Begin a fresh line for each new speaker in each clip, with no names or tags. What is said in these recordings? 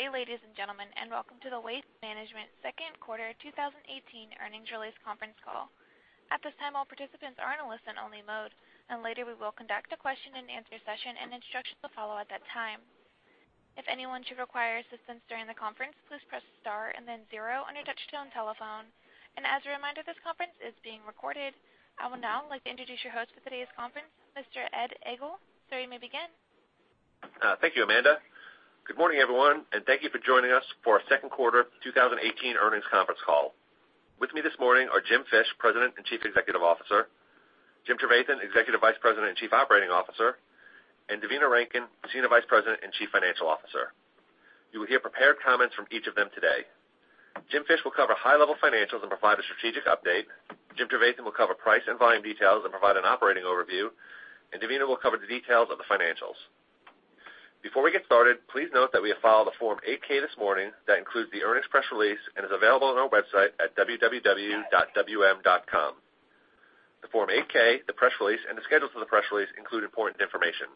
Good day, ladies and gentlemen, and welcome to the Waste Management second quarter 2018 earnings release conference call. At this time, all participants are in a listen-only mode, and later we will conduct a question and answer session. Instructions will follow at that time. If anyone should require assistance during the conference, please press star and then zero on your touch-tone telephone. As a reminder, this conference is being recorded. I would now like to introduce your host for today's conference, Mr. Ed Egl. Sir, you may begin.
Thank you, Amanda. Good morning, everyone, and thank you for joining us for our second quarter 2018 earnings conference call. With me this morning are Jim Fish, President and Chief Executive Officer, Jim Trevathan, Executive Vice President and Chief Operating Officer, and Devina Rankin, Senior Vice President and Chief Financial Officer. You will hear prepared comments from each of them today. Jim Fish will cover high-level financials and provide a strategic update. Jim Trevathan will cover price and volume details and provide an operating overview. Devina will cover the details of the financials. Before we get started, please note that we have filed a Form 8-K this morning that includes the earnings press release and is available on our website at www.wm.com. The Form 8-K, the press release, and the schedules for the press release include important information.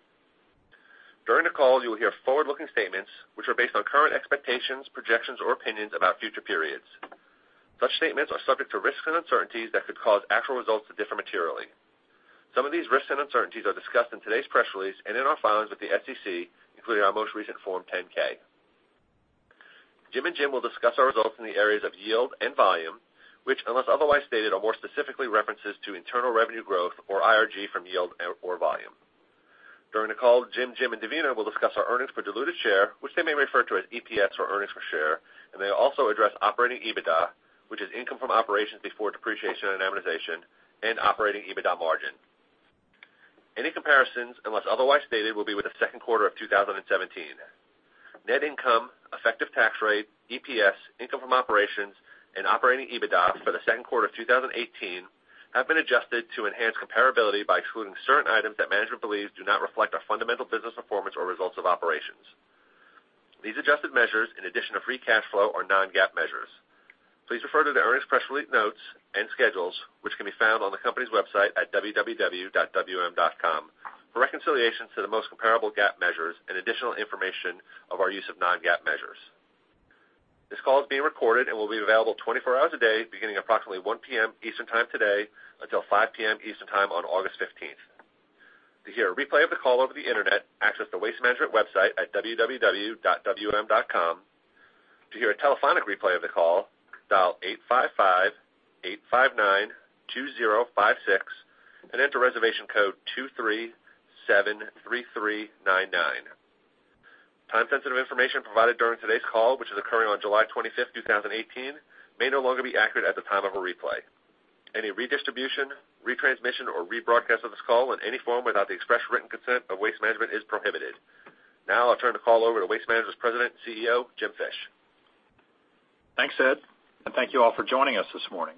During the call, you will hear forward-looking statements, which are based on current expectations, projections, or opinions about future periods. Such statements are subject to risks and uncertainties that could cause actual results to differ materially. Some of these risks and uncertainties are discussed in today's press release and in our filings with the SEC, including our most recent Form 10-K. Jim and Jim will discuss our results in the areas of yield and volume, which, unless otherwise stated, are more specifically references to internal revenue growth, or IRG, from yield or volume. During the call, Jim, and Devina will discuss our earnings per diluted share, which they may refer to as EPS or earnings per share. They will also address operating EBITDA, which is income from operations before depreciation and amortization, and operating EBITDA margin. Any comparisons, unless otherwise stated, will be with the second quarter of 2017. Net income, effective tax rate, EPS, income from operations, and operating EBITDA for the second quarter of 2018 have been adjusted to enhance comparability by excluding certain items that management believes do not reflect our fundamental business performance or results of operations. These adjusted measures, in addition to free cash flow, are non-GAAP measures. Please refer to the earnings press release notes and schedules, which can be found on the company's website at www.wm.com for reconciliation to the most comparable GAAP measures and additional information of our use of non-GAAP measures. This call is being recorded and will be available 24 hours a day, beginning approximately 1:00 P.M. Eastern Time today until 5:00 P.M. Eastern Time on August 15th. To hear a replay of the call over the internet, access the Waste Management website at www.wm.com. To hear a telephonic replay of the call, dial 855-859-2056 and enter reservation code 2373399. Time-sensitive information provided during today's call, which is occurring on July 25th, 2018, may no longer be accurate at the time of a replay. Any redistribution, retransmission, or rebroadcast of this call in any form without the express written consent of Waste Management is prohibited. Now I'll turn the call over to Waste Management's President and CEO, Jim Fish.
Thanks, Ed, thank you all for joining us this morning.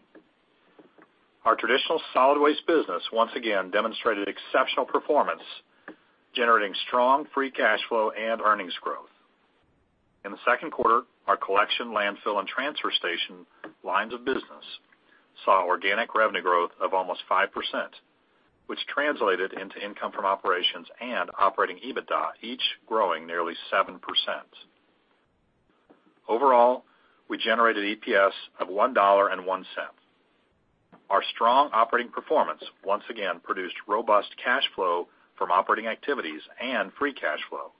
Our traditional solid waste business once again demonstrated exceptional performance, generating strong free cash flow and earnings growth. In the second quarter, our collection, landfill, and transfer station lines of business saw organic revenue growth of almost 5%, which translated into income from operations and operating EBITDA, each growing nearly 7%. Overall, we generated EPS of $1.01. Our strong operating performance once again produced robust Cash Flow from Operations and free cash flow,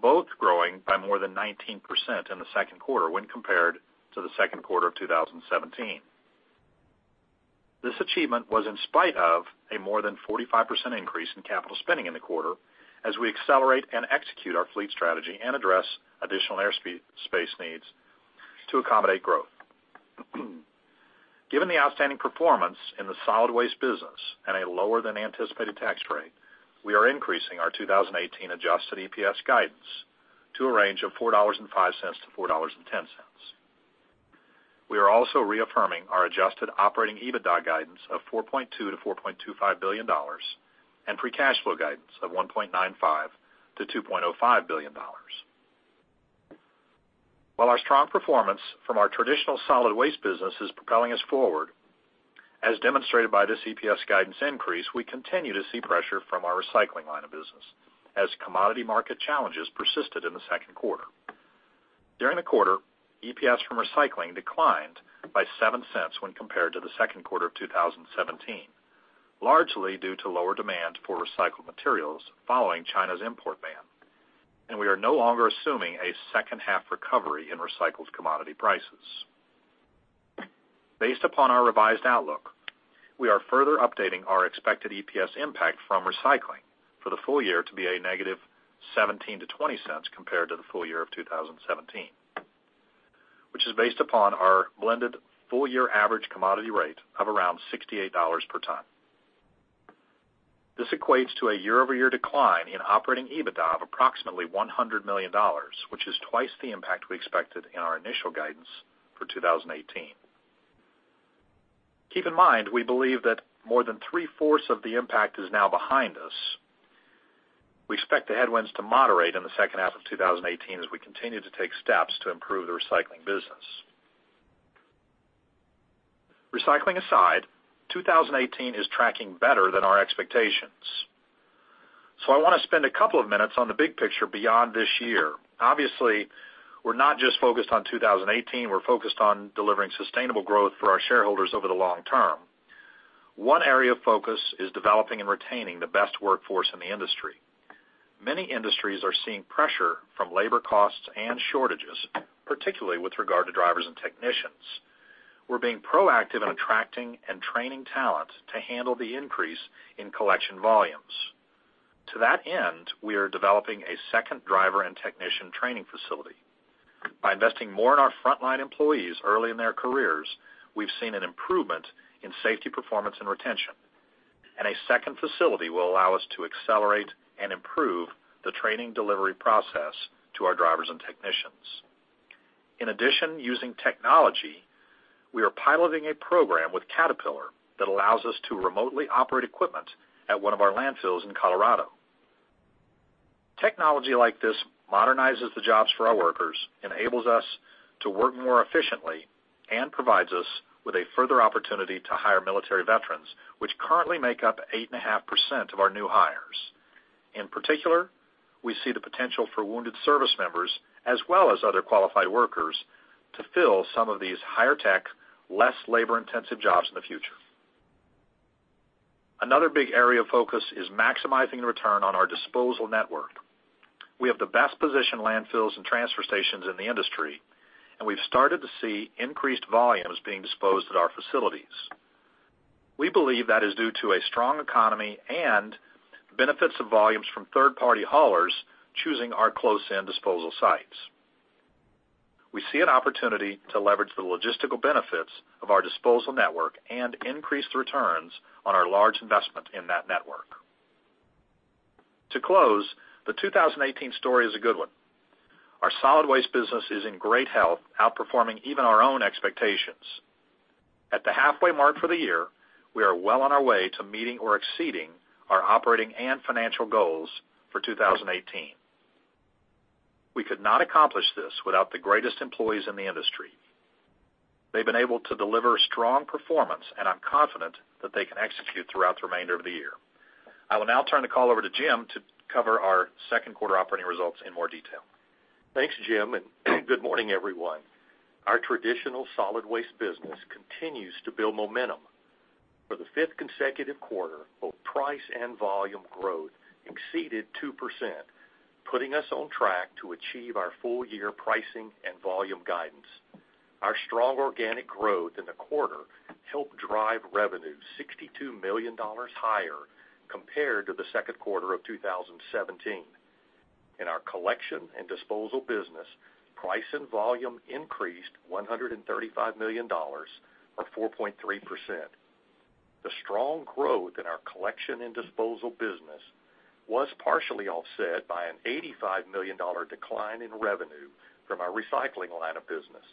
both growing by more than 19% in the second quarter when compared to the second quarter of 2017. This achievement was in spite of a more than 45% increase in capital spending in the quarter as we accelerate and execute our fleet strategy and address additional airspace needs to accommodate growth. Given the outstanding performance in the solid waste business and a lower than anticipated tax rate, we are increasing our 2018 adjusted EPS guidance to a range of $4.05-$4.10. We are also reaffirming our adjusted operating EBITDA guidance of $4.2 billion-$4.25 billion and free cash flow guidance of $1.95 billion-$2.05 billion. While our strong performance from our traditional solid waste business is propelling us forward, as demonstrated by this EPS guidance increase, we continue to see pressure from our recycling line of business as commodity market challenges persisted in the second quarter. During the quarter, EPS from recycling declined by $0.07 when compared to the second quarter of 2017, largely due to lower demand for recycled materials following China's import ban. We are no longer assuming a second-half recovery in recycled commodity prices. Based upon our revised outlook, we are further updating our expected EPS impact from recycling for the full year to be a negative -$0.17 to -$0.20 compared to the full year of 2017, which is based upon our blended full-year average commodity rate of around $68 per ton. This equates to a year-over-year decline in operating EBITDA of approximately $100 million, which is twice the impact we expected in our initial guidance for 2018. Keep in mind, we believe that more than three-fourths of the impact is now behind us. We expect the headwinds to moderate in the second half of 2018 as we continue to take steps to improve the recycling business. Recycling aside, 2018 is tracking better than our expectations. I want to spend a couple of minutes on the big picture beyond this year. We're not just focused on 2018, we're focused on delivering sustainable growth for our shareholders over the long term. One area of focus is developing and retaining the best workforce in the industry. Many industries are seeing pressure from labor costs and shortages, particularly with regard to drivers and technicians. We're being proactive in attracting and training talent to handle the increase in collection volumes. To that end, we are developing a second driver and technician training facility. By investing more in our frontline employees early in their careers, we've seen an improvement in safety performance and retention, and a second facility will allow us to accelerate and improve the training delivery process to our drivers and technicians. In addition, using technology, we are piloting a program with Caterpillar that allows us to remotely operate equipment at one of our landfills in Colorado. Technology like this modernizes the jobs for our workers, enables us to work more efficiently, and provides us with a further opportunity to hire military veterans, which currently make up 8.5% of our new hires. In particular, we see the potential for wounded service members, as well as other qualified workers, to fill some of these higher tech, less labor-intensive jobs in the future. Another big area of focus is maximizing the return on our disposal network. We have the best-positioned landfills and transfer stations in the industry, and we've started to see increased volumes being disposed at our facilities. We believe that is due to a strong economy and benefits of volumes from third-party haulers choosing our close-in disposal sites. We see an opportunity to leverage the logistical benefits of our disposal network and increase the returns on our large investment in that network. To close, the 2018 story is a good one. Our solid waste business is in great health, outperforming even our own expectations. At the halfway mark for the year, we are well on our way to meeting or exceeding our operating and financial goals for 2018. We could not accomplish this without the greatest employees in the industry. They've been able to deliver strong performance, and I'm confident that they can execute throughout the remainder of the year. I will now turn the call over to Jim to cover our second quarter operating results in more detail.
Thanks, Jim. Good morning, everyone. Our traditional solid waste business continues to build momentum. For the fifth consecutive quarter, both price and volume growth exceeded 2%, putting us on track to achieve our full year pricing and volume guidance. Our strong organic growth in the quarter helped drive revenue $62 million higher compared to the second quarter of 2017. In our collection and disposal business, price and volume increased $135 million, or 4.3%. The strong growth in our collection and disposal business was partially offset by an $85 million decline in revenue from our recycling line of business.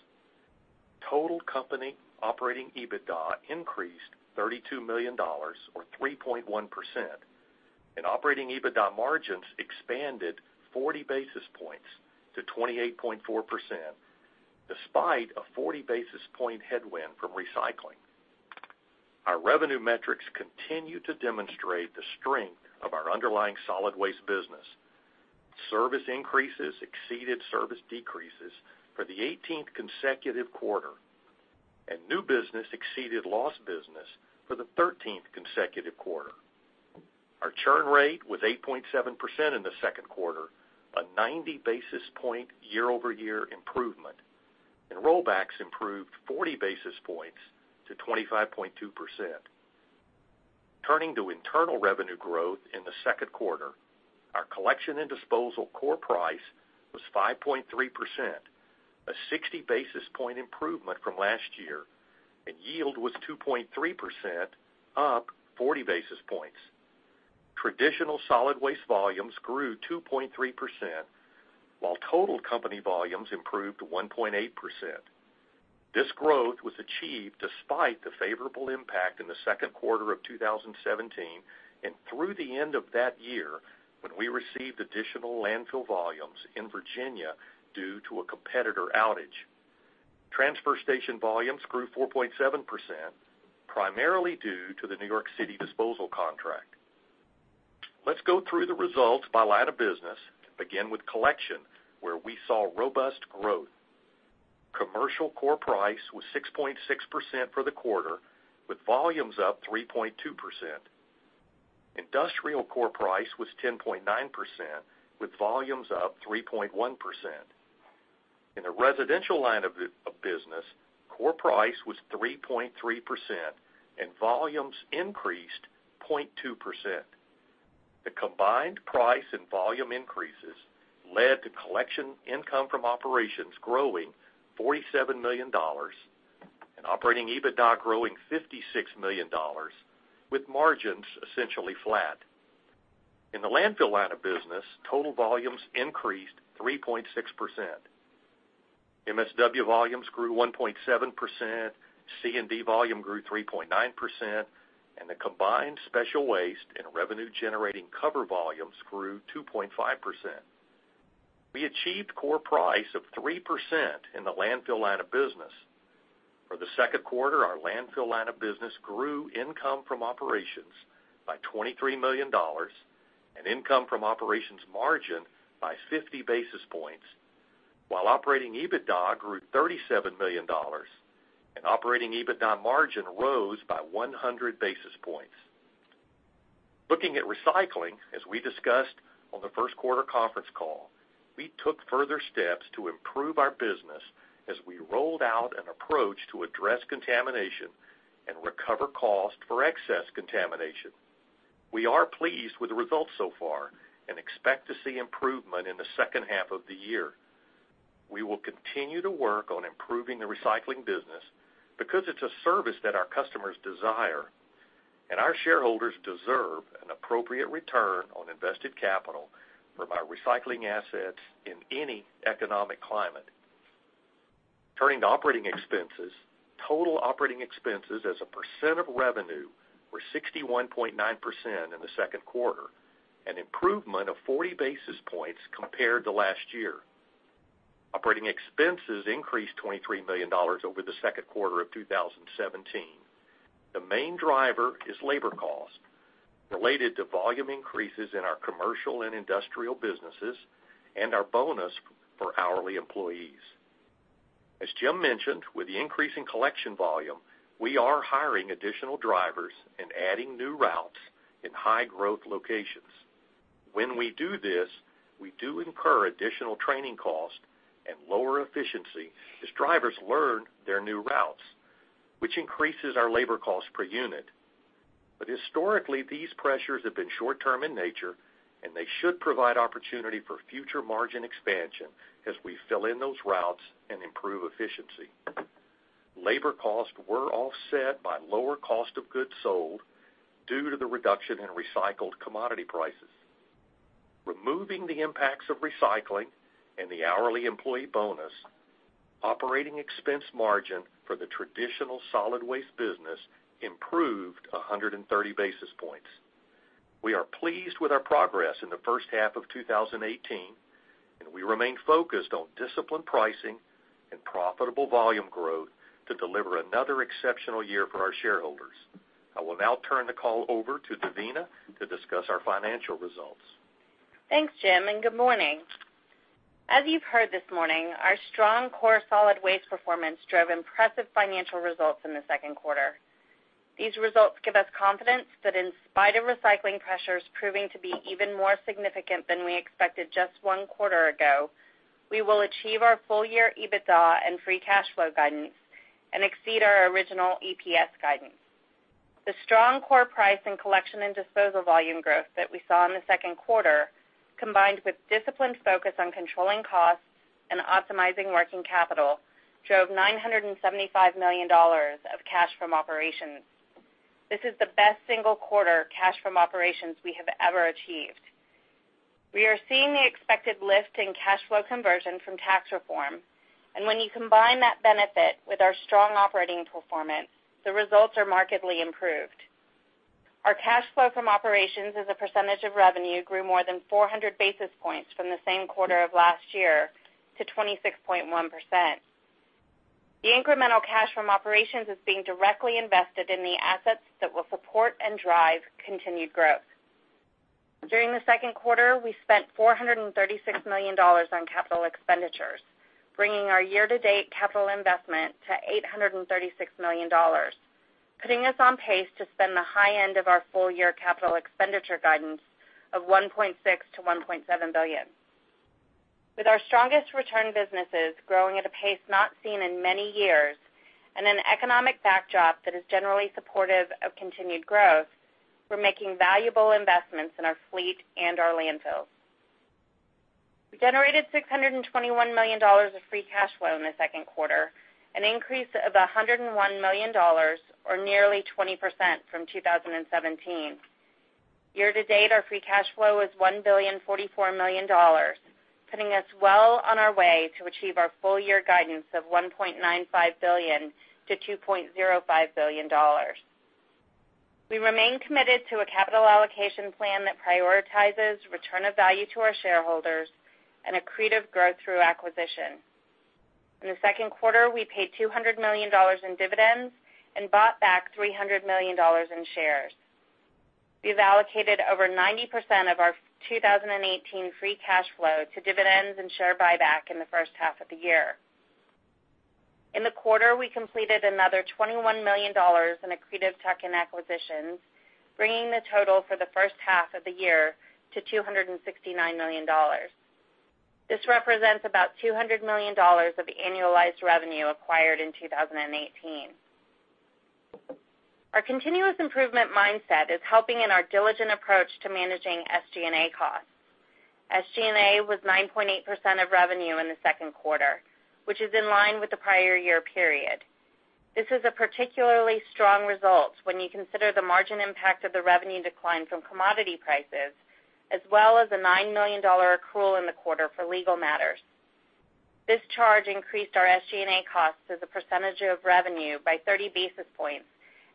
Total company operating EBITDA increased $32 million, or 3.1%, and operating EBITDA margins expanded 40 basis points to 28.4%, despite a 40 basis point headwind from recycling. Our revenue metrics continue to demonstrate the strength of our underlying solid waste business. Service increases exceeded service decreases for the 18th consecutive quarter. New business exceeded lost business for the 13th consecutive quarter. Our churn rate was 8.7% in the second quarter, a 90 basis point year-over-year improvement. Rollbacks improved 40 basis points to 25.2%. Turning to internal revenue growth in the second quarter, our collection and disposal core price was 5.3%, a 60 basis point improvement from last year. Yield was 2.3%, up 40 basis points. Traditional solid waste volumes grew 2.3%. Total company volumes improved 1.8%. This growth was achieved despite the favorable impact in the second quarter of 2017 and through the end of that year, when we received additional landfill volumes in Virginia due to a competitor outage. Transfer station volumes grew 4.7%, primarily due to the New York City disposal contract. Let's go through the results by line of business, begin with collection, where we saw robust growth. Commercial core price was 6.6% for the quarter, with volumes up 3.2%. Industrial core price was 10.9%, with volumes up 3.1%. In the residential line of business, core price was 3.3%, and volumes increased 0.2%. The combined price and volume increases led to collection income from operations growing $47 million and operating EBITDA growing $56 million, with margins essentially flat. In the landfill line of business, total volumes increased 3.6%. MSW volumes grew 1.7%, C&D volume grew 3.9%. The combined special waste and revenue-generating cover volumes grew 2.5%. We achieved core price of 3% in the landfill line of business. For the second quarter, our landfill line of business grew income from operations by $23 million and income from operations margin by 50 basis points. Operating EBITDA grew $37 million and operating EBITDA margin rose by 100 basis points. Looking at recycling, as we discussed on the first quarter conference call, we took further steps to improve our business as we rolled out an approach to address contamination and recover cost for excess contamination. We are pleased with the results so far and expect to see improvement in the second half of the year. We will continue to work on improving the recycling business because it's a service that our customers desire, and our shareholders deserve an appropriate return on invested capital from our recycling assets in any economic climate. Turning to operating expenses, total operating expenses as a percent of revenue were 61.9% in the second quarter, an improvement of 40 basis points compared to last year. Operating expenses increased $23 million over the second quarter of 2017. The main driver is labor cost related to volume increases in our commercial and industrial businesses and our bonus for hourly employees. As Jim mentioned, with the increase in collection volume, we are hiring additional drivers and adding new routes in high growth locations. When we do this, we do incur additional training costs and lower efficiency as drivers learn their new routes, which increases our labor cost per unit. Historically, these pressures have been short-term in nature, and they should provide opportunity for future margin expansion as we fill in those routes and improve efficiency. Labor costs were offset by lower cost of goods sold due to the reduction in recycled commodity prices. Removing the impacts of recycling and the hourly employee bonus, operating expense margin for the traditional solid waste business improved 130 basis points. We are pleased with our progress in the first half of 2018, we remain focused on disciplined pricing and profitable volume growth to deliver another exceptional year for our shareholders. I will now turn the call over to Devina to discuss our financial results.
Thanks, Jim, and good morning. As you've heard this morning, our strong core solid waste performance drove impressive financial results in the second quarter. These results give us confidence that in spite of recycling pressures proving to be even more significant than we expected just one quarter ago, we will achieve our full year EBITDA and free cash flow guidance and exceed our original EPS guidance. The strong core price and collection and disposal volume growth that we saw in the second quarter, combined with disciplined focus on controlling costs and optimizing working capital, drove $975 million of cash from operations. This is the best single quarter cash from operations we have ever achieved. When you combine that benefit with our strong operating performance, the results are markedly improved. Our cash flow from operations as a percentage of revenue grew more than 400 basis points from the same quarter of last year to 26.1%. The incremental cash from operations is being directly invested in the assets that will support and drive continued growth. During the second quarter, we spent $436 million on capital expenditures, bringing our year-to-date capital investment to $836 million, putting us on pace to spend the high end of our full year capital expenditure guidance of $1.6 billion-$1.7 billion. With our strongest return businesses growing at a pace not seen in many years and an economic backdrop that is generally supportive of continued growth, we're making valuable investments in our fleet and our landfills. We generated $621 million of free cash flow in the second quarter, an increase of $101 million or nearly 20% from 2017. Year to date, our free cash flow is $1,044,000,000, putting us well on our way to achieve our full year guidance of $1.95 billion-$2.05 billion. We remain committed to a capital allocation plan that prioritizes return of value to our shareholders and accretive growth through acquisition. In the second quarter, we paid $200 million in dividends and bought back $300 million in shares. We've allocated over 90% of our 2018 free cash flow to dividends and share buyback in the first half of the year. In the quarter, we completed another $21 million in accretive tuck-in acquisitions, bringing the total for the first half of the year to $269 million. This represents about $200 million of annualized revenue acquired in 2018. Our continuous improvement mindset is helping in our diligent approach to managing SG&A costs. SG&A was 9.8% of revenue in the second quarter, which is in line with the prior year period. This is a particularly strong result when you consider the margin impact of the revenue decline from commodity prices, as well as a $9 million accrual in the quarter for legal matters. This charge increased our SG&A costs as a percentage of revenue by 30 basis points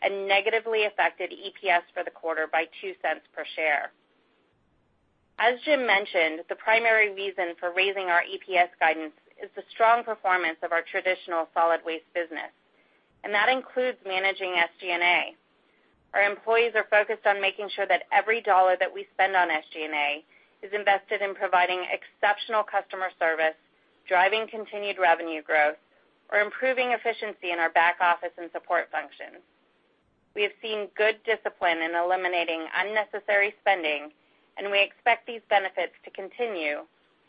and negatively affected EPS for the quarter by $0.02 per share. As Jim mentioned, the primary reason for raising our EPS guidance is the strong performance of our traditional solid waste business, and that includes managing SG&A. Our employees are focused on making sure that every dollar that we spend on SG&A is invested in providing exceptional customer service, driving continued revenue growth, or improving efficiency in our back office and support functions. We have seen good discipline in eliminating unnecessary spending, and we expect these benefits to continue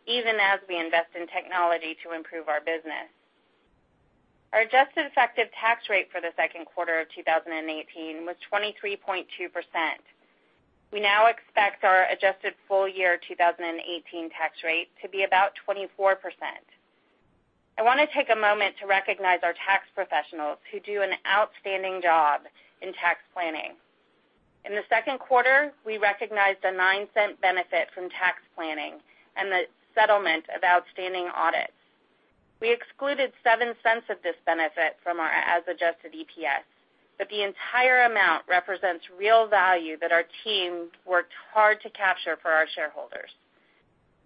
even as we invest in technology to improve our business. Our adjusted effective tax rate for the second quarter of 2018 was 23.2%. We now expect our adjusted full-year 2018 tax rate to be about 24%. I want to take a moment to recognize our tax professionals who do an outstanding job in tax planning. In the second quarter, we recognized a $0.09 benefit from tax planning and the settlement of outstanding audits. We excluded $0.07 of this benefit from our as-adjusted EPS, but the entire amount represents real value that our team worked hard to capture for our shareholders.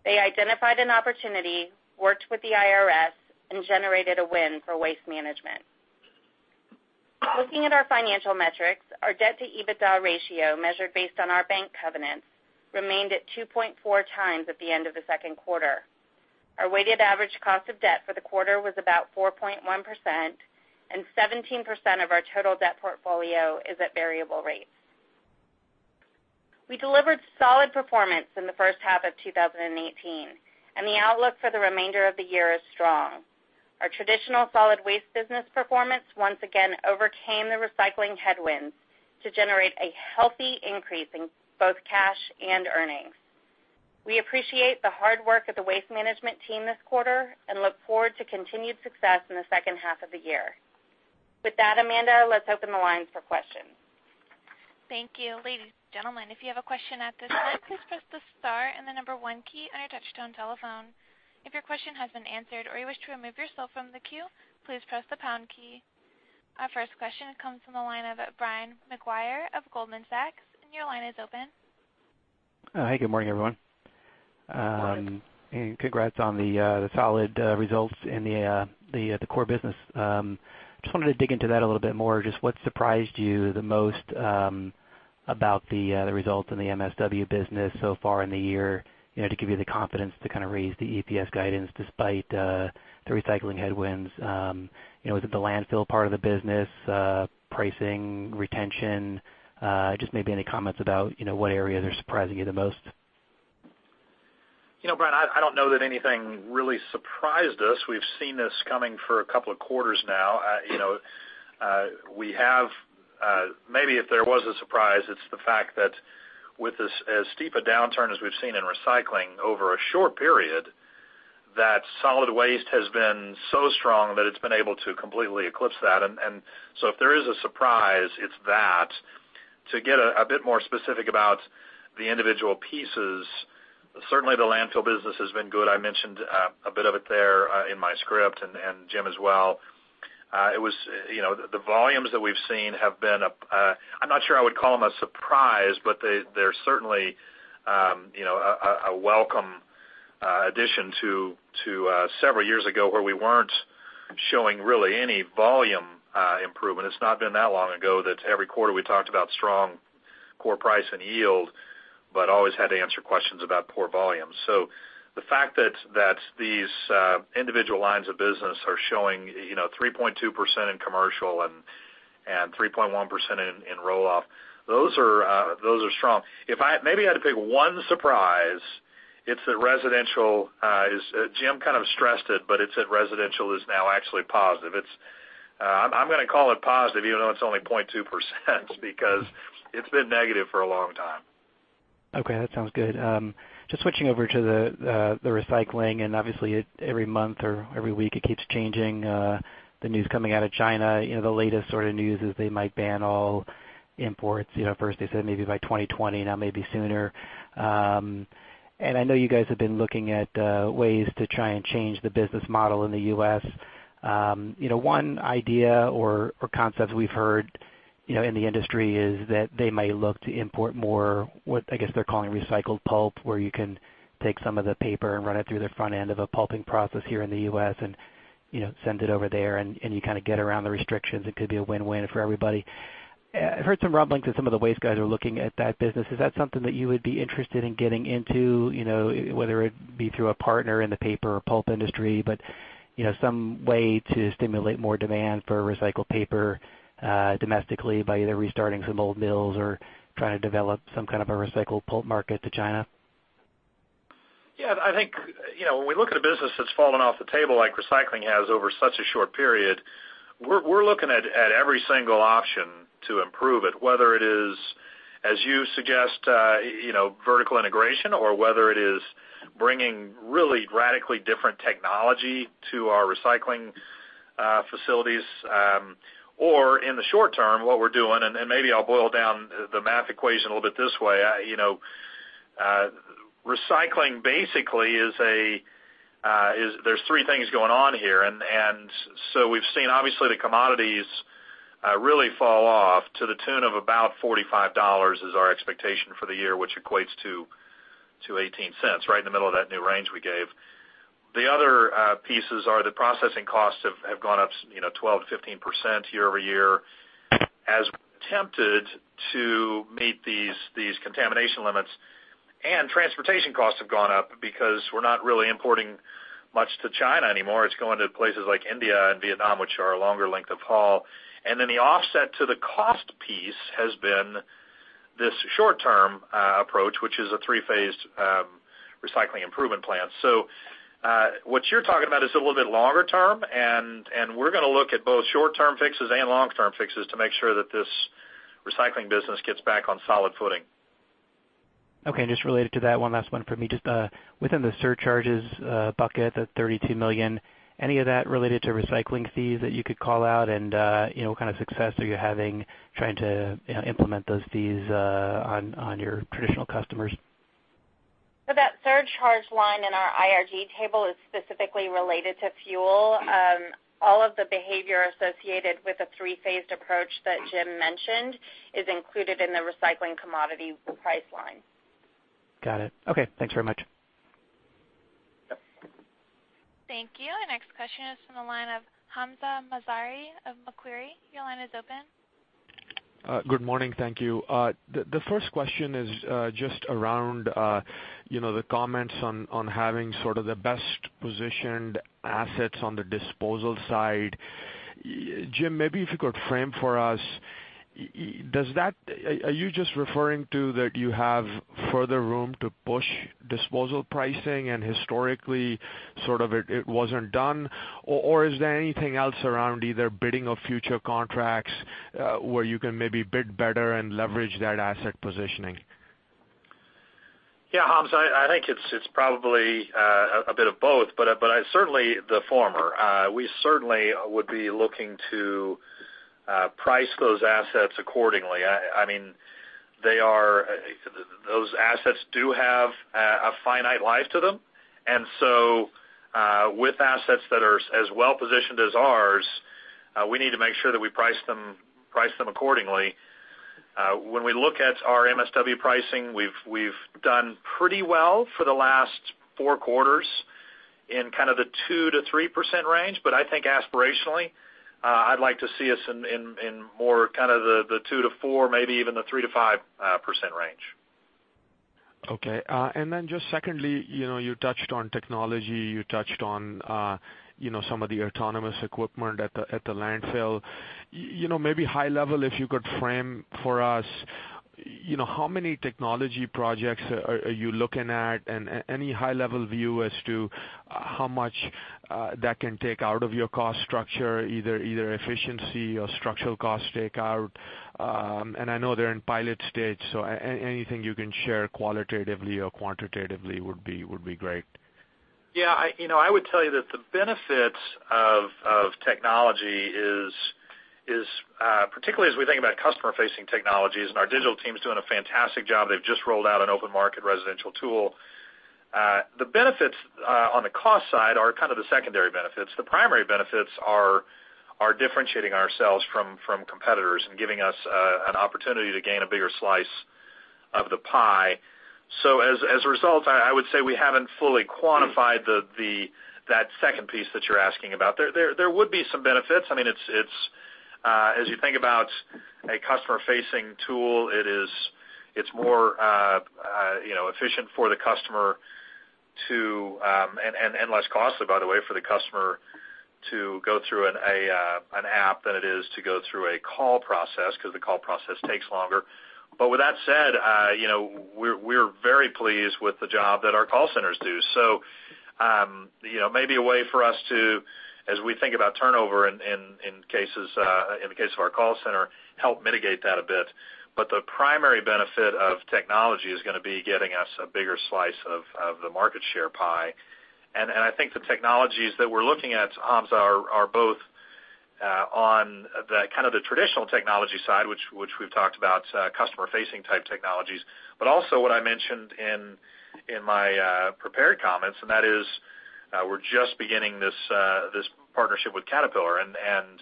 They identified an opportunity, worked with the IRS, and generated a win for Waste Management. Looking at our financial metrics, our debt-to-EBITDA ratio, measured based on our bank covenants, remained at 2.4 times at the end of the second quarter. Our weighted average cost of debt for the quarter was about 4.1%. 17% of our total debt portfolio is at variable rates. We delivered solid performance in the first half of 2018. The outlook for the remainder of the year is strong. Our traditional solid waste business performance once again overcame the recycling headwinds to generate a healthy increase in both cash and earnings. We appreciate the hard work of the Waste Management team this quarter and look forward to continued success in the second half of the year. With that, Amanda, let's open the lines for questions.
Thank you. Ladies, gentlemen, if you have a question at this time, please press the star and the 1 key on your touch-tone telephone. If your question has been answered or you wish to remove yourself from the queue, please press the pound key. Our first question comes from the line of Brian Maguire of Goldman Sachs. Your line is open.
Hi, good morning, everyone.
Good morning.
Congrats on the solid results in the core business. Just wanted to dig into that a little bit more. Just what surprised you the most about the results in the MSW business so far in the year to give you the confidence to raise the EPS guidance despite the recycling headwinds? Was it the landfill part of the business, pricing, retention? Just maybe any comments about what areas are surprising you the most.
Brian, I don't know that anything really surprised us. We've seen this coming for a couple of quarters now. Maybe if there was a surprise, it's the fact that with as steep a downturn as we've seen in recycling over a short period, that solid waste has been so strong that it's been able to completely eclipse that. So if there is a surprise, it's that. To get a bit more specific about the individual pieces, certainly the landfill business has been good. I mentioned a bit of it there in my script, and Jim as well. The volumes that we've seen, I'm not sure I would call them a surprise, but they're certainly a welcome addition to several years ago where we weren't showing really any volume improvement. It's not been that long ago that every quarter we talked about strong core price and yield, but always had to answer questions about poor volume. The fact that these individual lines of business are showing 3.2% in commercial and 3.1% in roll-off, those are strong. Maybe I had to pick one surprise. Jim kind of stressed it, but it's that residential is now actually positive. I'm going to call it positive even though it's only 0.2% because it's been negative for a long time.
Okay, that sounds good. Just switching over to the recycling, obviously every month or every week it keeps changing. The news coming out of China, the latest news is they might ban all imports. First they said maybe by 2020, now maybe sooner. I know you guys have been looking at ways to try and change the business model in the U.S. One idea or concept we've heard in the industry is that they may look to import more what I guess they're calling recycled pulp, where you can take some of the paper and run it through the front end of a pulping process here in the U.S. and send it over there, and you get around the restrictions. It could be a win-win for everybody. I've heard some rumblings that some of the waste guys are looking at that business. Is that something that you would be interested in getting into? Whether it be through a partner in the paper or pulp industry, but some way to stimulate more demand for recycled paper domestically by either restarting some old mills or trying to develop some kind of a recycled pulp market to China?
Yeah. When we look at a business that's fallen off the table like recycling has over such a short period, we're looking at every single option to improve it, whether it is, as you suggest, vertical integration or whether it is bringing really radically different technology to our recycling facilities. Or in the short term, what we're doing, maybe I'll boil down the math equation a little bit this way. There's three things going on here. We've seen, obviously, the commodities really fall off to the tune of about $45 is our expectation for the year, which equates to $0.18, right in the middle of that new range we gave. The other pieces are the processing costs have gone up 12%-15% year-over-year as we attempted to meet these contamination limits. Transportation costs have gone up because we're not really importing much to China anymore. It's going to places like India and Vietnam, which are a longer length of haul. The offset to the cost piece has been this short-term approach, which is a three-phased recycling improvement plan. What you're talking about is a little bit longer term, and we're going to look at both short-term fixes and long-term fixes to make sure that this recycling business gets back on solid footing.
Okay. Just related to that, one last one from me. Just within the surcharges bucket, the $32 million, any of that related to recycling fees that you could call out? What kind of success are you having trying to implement those fees on your traditional customers?
That surcharge line in our IRG table is specifically related to fuel. All of the behavior associated with the three-phased approach that Jim mentioned is included in the recycling commodity price line.
Got it. Okay, thanks very much.
Thank you. Our next question is from the line of Hamzah Mazari of Macquarie. Your line is open.
Good morning. Thank you. The first question is just around the comments on having sort of the best-positioned assets on the disposal side. Jim, maybe if you could frame for us, are you just referring to that you have further room to push disposal pricing and historically, it wasn't done? Or is there anything else around either bidding of future contracts where you can maybe bid better and leverage that asset positioning?
Yeah, Hamzah, I think it's probably a bit of both, but certainly the former. We certainly would be looking to price those assets accordingly. Those assets do have a finite life to them, and so with assets that are as well-positioned as ours, we need to make sure that we price them accordingly. When we look at our MSW pricing, we've done pretty well for the last four quarters in kind of the 2%-3% range. I think aspirationally, I'd like to see us in more kind of the 2%-4%, maybe even the 3%-5% range.
Okay. Then just secondly, you touched on technology, you touched on some of the autonomous equipment at the landfill. Maybe high level, if you could frame for us, how many technology projects are you looking at? Any high-level view as to how much that can take out of your cost structure, either efficiency or structural cost takeout? I know they're in pilot stage, so anything you can share qualitatively or quantitatively would be great.
Yeah. I would tell you that the benefits of technology is, particularly as we think about customer-facing technologies, and our digital team's doing a fantastic job. They've just rolled out an open market residential tool. The benefits on the cost side are kind of the secondary benefits. The primary benefits are differentiating ourselves from competitors and giving us an opportunity to gain a bigger slice of the pie. As a result, I would say we haven't fully quantified that second piece that you're asking about. There would be some benefits. As you think about a customer-facing tool, it's more efficient for the customer to, and less costly, by the way, for the customer to go through an app than it is to go through a call process, because the call process takes longer. With that said, we're very pleased with the job that our call centers do. Maybe a way for us to, as we think about turnover in the case of our call center, help mitigate that a bit. The primary benefit of technology is going to be getting us a bigger slice of the market share pie. I think the technologies that we're looking at, Hamzah, are both on the traditional technology side, which we've talked about, customer-facing type technologies. Also what I mentioned in my prepared comments, and that is we're just beginning this partnership with Caterpillar, and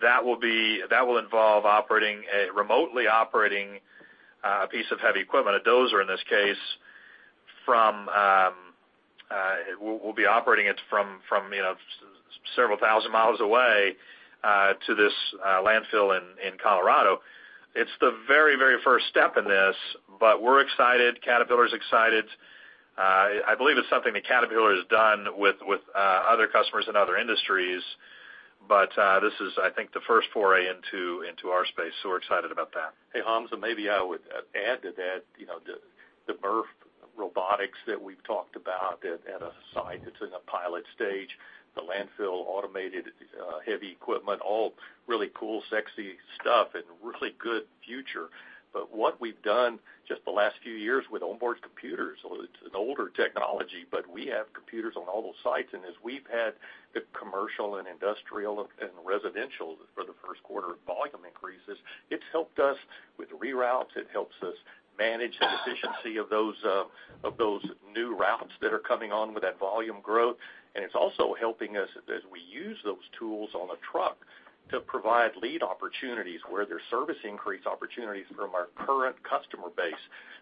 that will involve remotely operating a piece of heavy equipment, a dozer in this case. We'll be operating it from several thousand miles away to this landfill in Colorado. It's the very first step in this, but we're excited. Caterpillar's excited. I believe it's something that Caterpillar has done with other customers in other industries. This is, I think, the first foray into our space, we're excited about that.
Hey, Hamzah, maybe I would add to that. The birth of robotics that we've talked about at a site that's in the pilot stage, the landfill automated heavy equipment, all really cool, sexy stuff and really good future. What we've done just the last few years with onboard computers, it's an older technology, but we have computers on all those sites. As we've had the commercial and industrial and residential for the first quarter volume increases, it helps us manage the efficiency of those new routes that are coming on with that volume growth. It's also helping us as we use those tools on a truck to provide lead opportunities where there's service increase opportunities from our current customer base.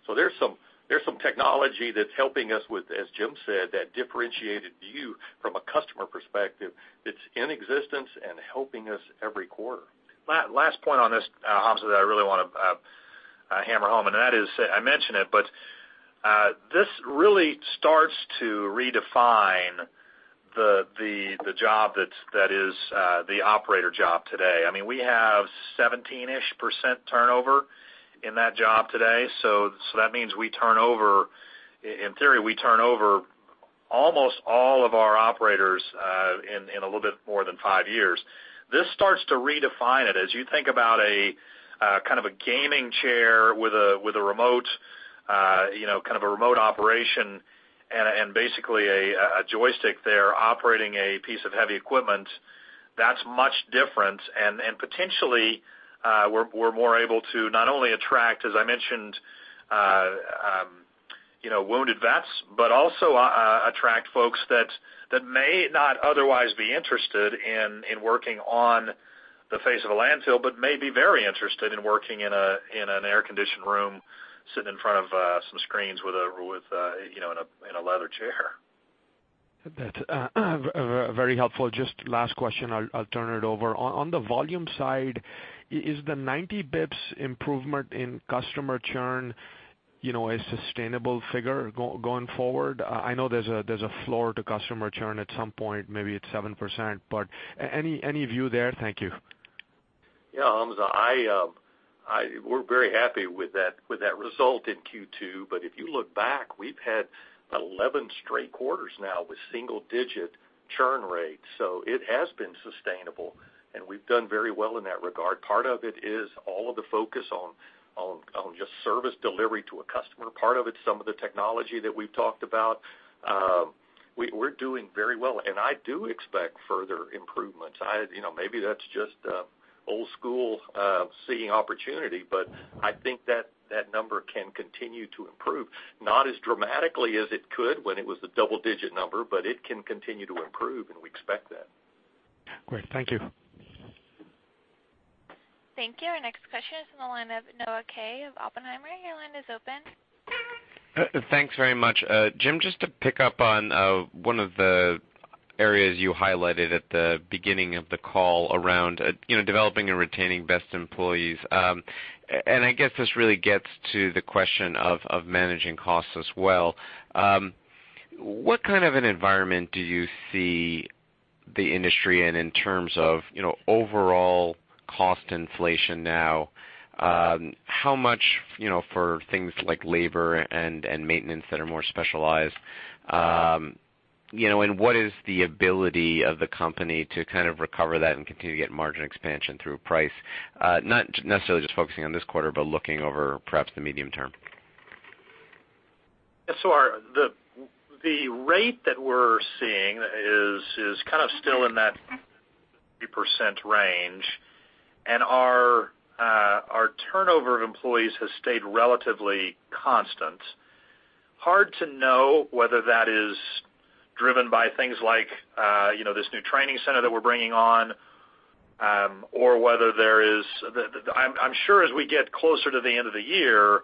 There's some technology that's helping us with, as Jim said, that differentiated view from a customer perspective that's in existence and helping us every quarter.
Last point on this, Hamzah, that I really want to hammer home, that is, I mentioned it, but this really starts to redefine the job that is the operator job today. We have 17-ish% turnover in that job today. That means, in theory, we turn over almost all of our operators in a little bit more than five years. This starts to redefine it. As you think about a kind of a gaming chair with a remote operation and basically a joystick there operating a piece of heavy equipment, that's much different. Potentially, we're more able to not only attract, as I mentioned wounded vets, but also attract folks that may not otherwise be interested in working on the face of a landfill, but may be very interested in working in an air-conditioned room, sitting in front of some screens in a leather chair.
That's very helpful. Just last question, I'll turn it over. On the volume side, is the 90 basis points improvement in customer churn a sustainable figure going forward? I know there's a floor to customer churn at some point, maybe it's 7%, but any view there? Thank you.
Yeah, Hamzah, we're very happy with that result in Q2. If you look back, we've had 11 straight quarters now with single-digit churn rates. It has been sustainable, and we've done very well in that regard. Part of it is all of the focus on just service delivery to a customer. Part of it's some of the technology that we've talked about. We're doing very well, and I do expect further improvements. Maybe that's just old school seeing opportunity, but I think that number can continue to improve. Not as dramatically as it could when it was a double-digit number, but it can continue to improve, and we expect that.
Great. Thank you.
Thank you. Our next question is on the line of Noah Kaye of Oppenheimer. Your line is open.
Thanks very much. Jim, just to pick up on one of the areas you highlighted at the beginning of the call around developing and retaining best employees. I guess this really gets to the question of managing costs as well. What kind of an environment do you see the industry in in terms of overall cost inflation now? How much for things like labor and maintenance that are more specialized? What is the ability of the company to recover that and continue to get margin expansion through price? Not necessarily just focusing on this quarter, but looking over perhaps the medium term.
The rate that we're seeing is kind of still in that 3% range, and our turnover of employees has stayed relatively constant. Hard to know whether that is driven by things like this new training center that we're bringing on, or whether there is I'm sure as we get closer to the end of the year,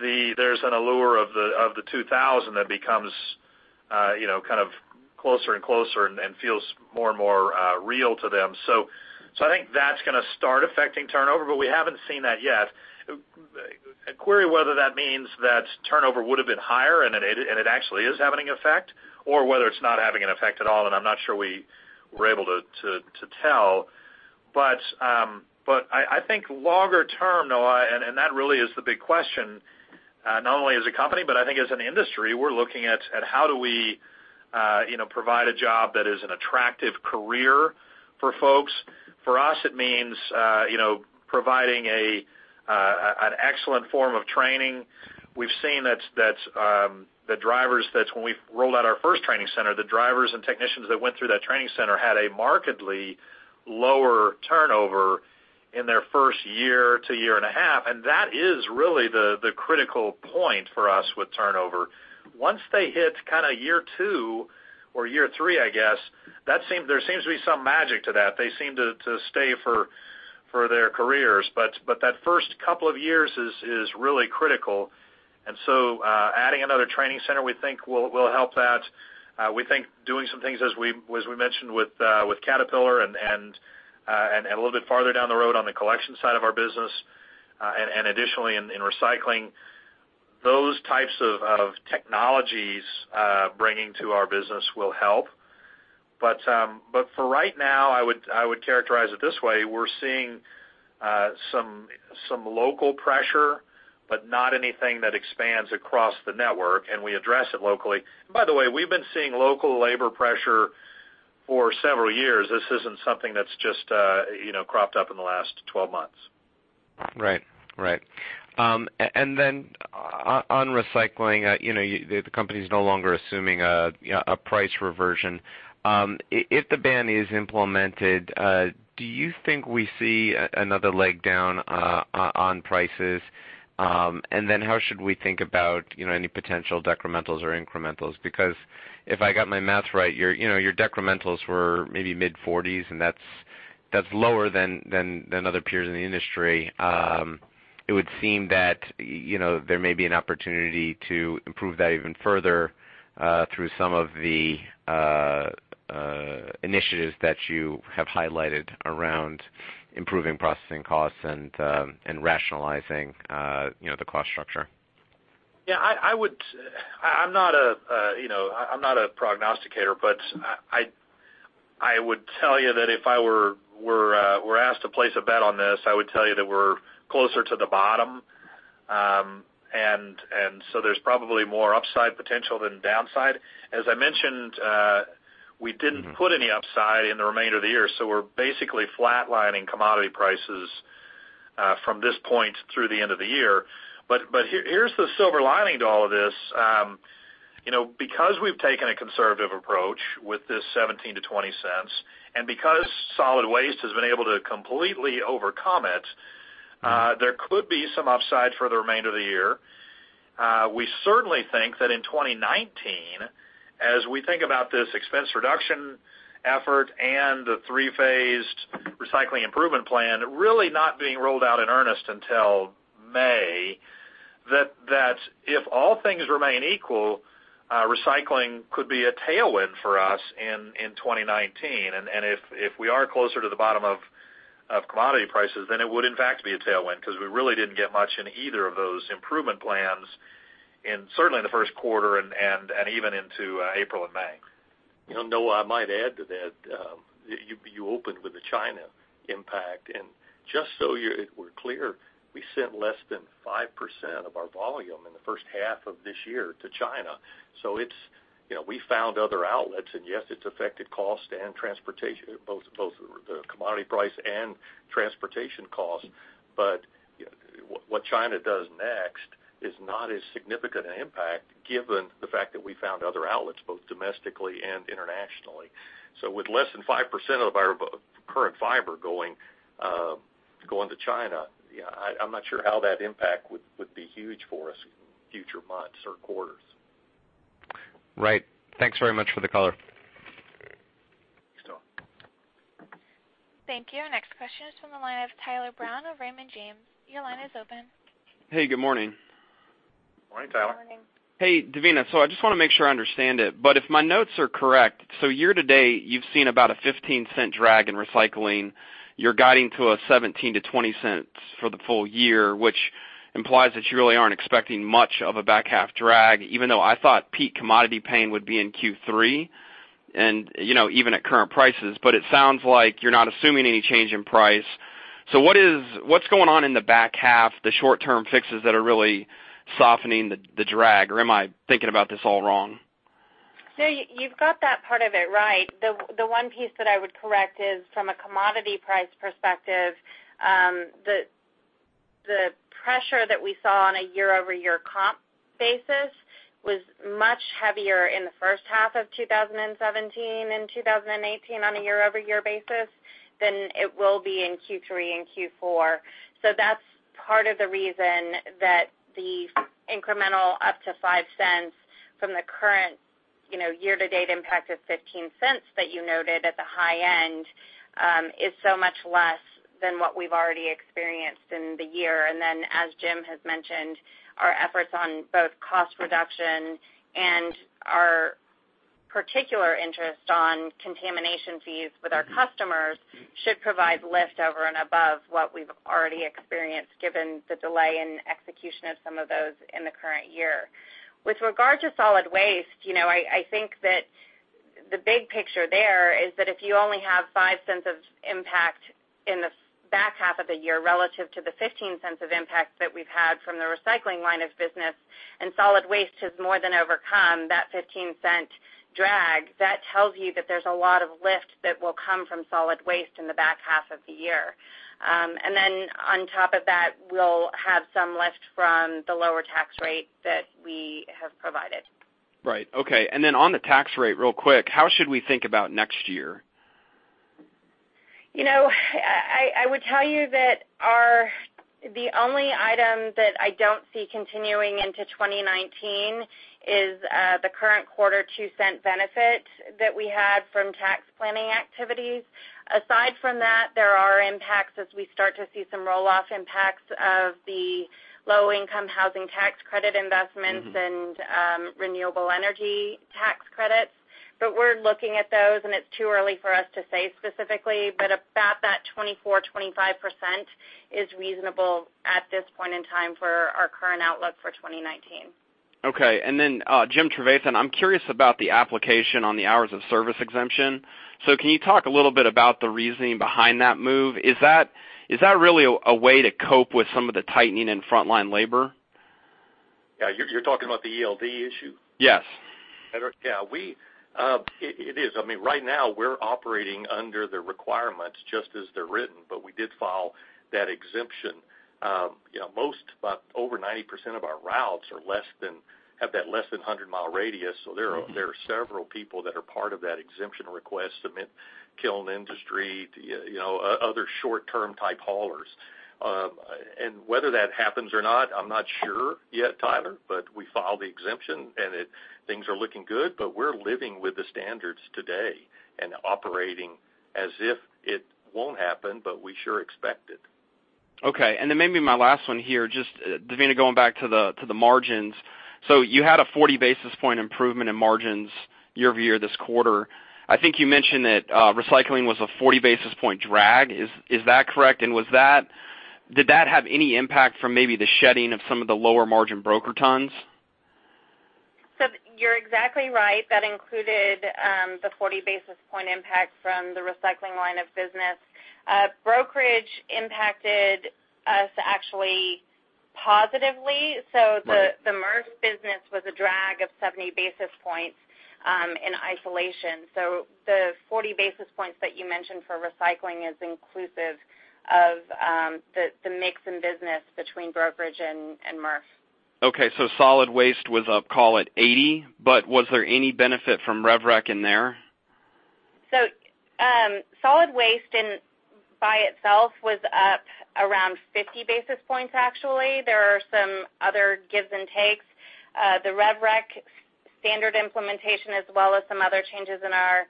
there's an allure of the 2,000 that becomes closer and closer and feels more and more real to them. I think that's going to start affecting turnover, but we haven't seen that yet. A query whether that means that turnover would have been higher and it actually is having an effect, or whether it's not having an effect at all, and I'm not sure we're able to tell. I think longer term, Noah, that really is the big question not only as a company, but I think as an industry, we're looking at how do we provide a job that is an attractive career for folks. For us, it means providing an excellent form of training. We've seen that when we rolled out our first training center, the drivers and technicians that went through that training center had a markedly lower turnover in their first year to year and a half, and that is really the critical point for us with turnover. Once they hit year two or year three, I guess, there seems to be some magic to that. They seem to stay for their careers. That first couple of years is really critical. Adding another training center we think will help that. We think doing some things as we mentioned with Caterpillar and a little bit farther down the road on the collection side of our business, additionally in recycling, those types of technologies bringing to our business will help. For right now, I would characterize it this way. We're seeing some local pressure, not anything that expands across the network, and we address it locally. By the way, we've been seeing local labor pressure for several years. This isn't something that's just cropped up in the last 12 months.
Right. On recycling, the company's no longer assuming a price reversion. If the ban is implemented, do you think we see another leg down on prices? How should we think about any potential decrementals or incrementals? Because if I got my maths right, your decrementals were maybe mid-40s%, that's lower than other peers in the industry. It would seem that there may be an opportunity to improve that even further through some of the initiatives that you have highlighted around improving processing costs and rationalizing the cost structure.
Yeah. I'm not a prognosticator, I would tell you that if I were asked to place a bet on this, I would tell you that we're closer to the bottom. There's probably more upside potential than downside. As I mentioned, we didn't put any upside in the remainder of the year, so we're basically flatlining commodity prices from this point through the end of the year. Here's the silver lining to all of this. Because we've taken a conservative approach with this $0.17 to $0.20, because solid waste has been able to completely overcome it, there could be some upside for the remainder of the year. We certainly think that in 2019, as we think about this expense reduction effort and the three-phased recycling improvement plan, really not being rolled out in earnest until May, that if all things remain equal, recycling could be a tailwind for us in 2019. If we are closer to the bottom of commodity prices, then it would, in fact, be a tailwind, because we really didn't get much in either of those improvement plans, certainly in the first quarter and even into April and May.
Noah, I might add to that. You opened with the China impact, and just so we're clear, we sent less than 5% of our volume in the first half of this year to China. We found other outlets, and yes, it's affected cost and transportation, both the commodity price and transportation costs. What China does next is not as significant an impact given the fact that we found other outlets, both domestically and internationally. With less than 5% of our current fiber going to China, I'm not sure how that impact would be huge for us in future months or quarters.
Right. Thanks very much for the color.
Thanks, Noah.
Thank you. Our next question is from the line of Tyler Brown of Raymond James. Your line is open.
Hey, good morning.
Morning, Tyler.
Morning.
Hey, Devina. I just want to make sure I understand it, but if my notes are correct, so year to date, you've seen about a $0.15 drag in recycling. You're guiding to a $0.17-$0.20 for the full year, which implies that you really aren't expecting much of a back half drag, even though I thought peak commodity pain would be in Q3, and even at current prices. It sounds like you're not assuming any change in price. What's going on in the back half, the short-term fixes that are really softening the drag, or am I thinking about this all wrong?
No, you've got that part of it right. The one piece that I would correct is from a commodity price perspective, the pressure that we saw on a year-over-year comp basis was much heavier in the first half of 2017 and 2018 on a year-over-year basis than it will be in Q3 and Q4. That's part of the reason that the incremental up to $0.05 from the current year to date impact of $0.15 that you noted at the high end is so much less than what we've already experienced in the year. As Jim has mentioned, our efforts on both cost reduction and our particular interest on contamination fees with our customers should provide lift over and above what we've already experienced, given the delay in execution of some of those in the current year. With regard to solid waste, I think that the big picture there is that if you only have $0.05 of impact in the back half of the year relative to the $0.15 of impact that we've had from the recycling line of business, and solid waste has more than overcome that $0.15 drag, that tells you that there's a lot of lift that will come from solid waste in the back half of the year. On top of that, we'll have some lift from the lower tax rate that we have provided.
Right. Okay. On the tax rate, real quick, how should we think about next year?
I would tell you that the only item that I don't see continuing into 2019 is the current quarter $0.02 benefit that we had from tax planning activities. Aside from that, there are impacts as we start to see some roll-off impacts of the low-income housing tax credit investments and renewable energy tax credits. We're looking at those, and it's too early for us to say specifically, but about that 24%-25% is reasonable at this point in time for our current outlook for 2019.
Okay. Jim Trevathan, I'm curious about the application on the hours of service exemption. Can you talk a little bit about the reasoning behind that move? Is that really a way to cope with some of the tightening in frontline labor?
Yeah. You're talking about the ELD issue?
Yes.
Yeah, it is. Right now, we're operating under the requirements just as they're written, but we did file that exemption. Over 90% of our routes have that less than 100-mile radius, so there are several people that are part of that exemption request, similar industry, other short-term type haulers. Whether that happens or not, I'm not sure yet, Tyler, but we filed the exemption and things are looking good. We're living with the standards today and operating as if it won't happen, but we sure expect it.
Okay. Maybe my last one here, just, Devina, going back to the margins. You had a 40-basis point improvement in margins year-over-year this quarter. I think you mentioned that recycling was a 40-basis point drag. Is that correct? Did that have any impact from maybe the shedding of some of the lower margin broker tons?
You're exactly right. That included the 40-basis point impact from the recycling line of business. Brokerage impacted us actually positively.
Right.
The MRF business was a drag of 70 basis points in isolation. The 40 basis points that you mentioned for recycling is inclusive of the mix in business between brokerage and MRF.
Solid waste was up, call it 80, but was there any benefit from rev-rec in there?
Solid waste by itself was up around 50 basis points, actually. There are some other gives and takes. The rev-rec standard implementation as well as some other changes in our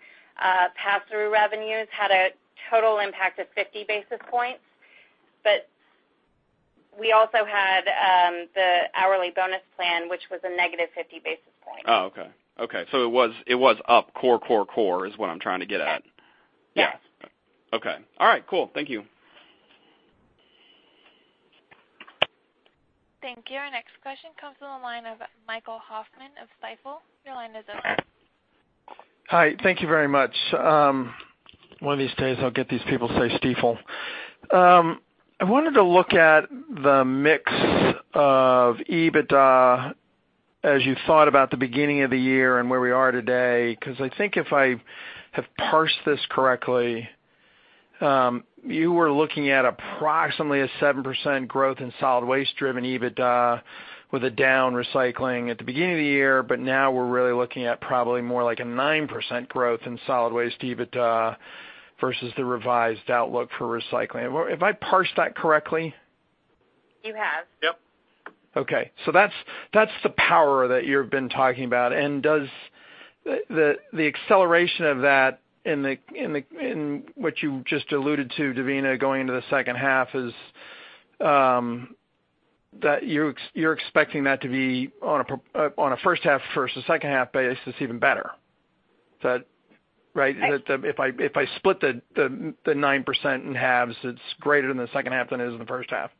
pass-through revenues had a total impact of 50 basis points. We also had the hourly bonus plan, which was a negative 50 basis points.
Okay. It was up core, is what I'm trying to get at.
Yes.
Okay. All right, cool. Thank you.
Thank you. Our next question comes from the line of Michael Hoffman of Stifel. Your line is open.
Hi. Thank you very much. One of these days I'll get these people say Stifel. I wanted to look at the mix of EBITDA as you thought about the beginning of the year and where we are today, because I think if I have parsed this correctly, you were looking at approximately a 7% growth in solid waste-driven EBITDA with a down recycling at the beginning of the year, but now we're really looking at probably more like a 9% growth in solid waste EBITDA versus the revised outlook for recycling. Have I parsed that correctly?
You have.
Yep.
Okay. That's the power that you've been talking about. Does the acceleration of that in what you just alluded to, Devina, going into the second half, that you're expecting that to be on a first half versus second half basis even better. Is that right?
Right.
If I split the 9% in halves, it's greater than the second half than it is in the first half.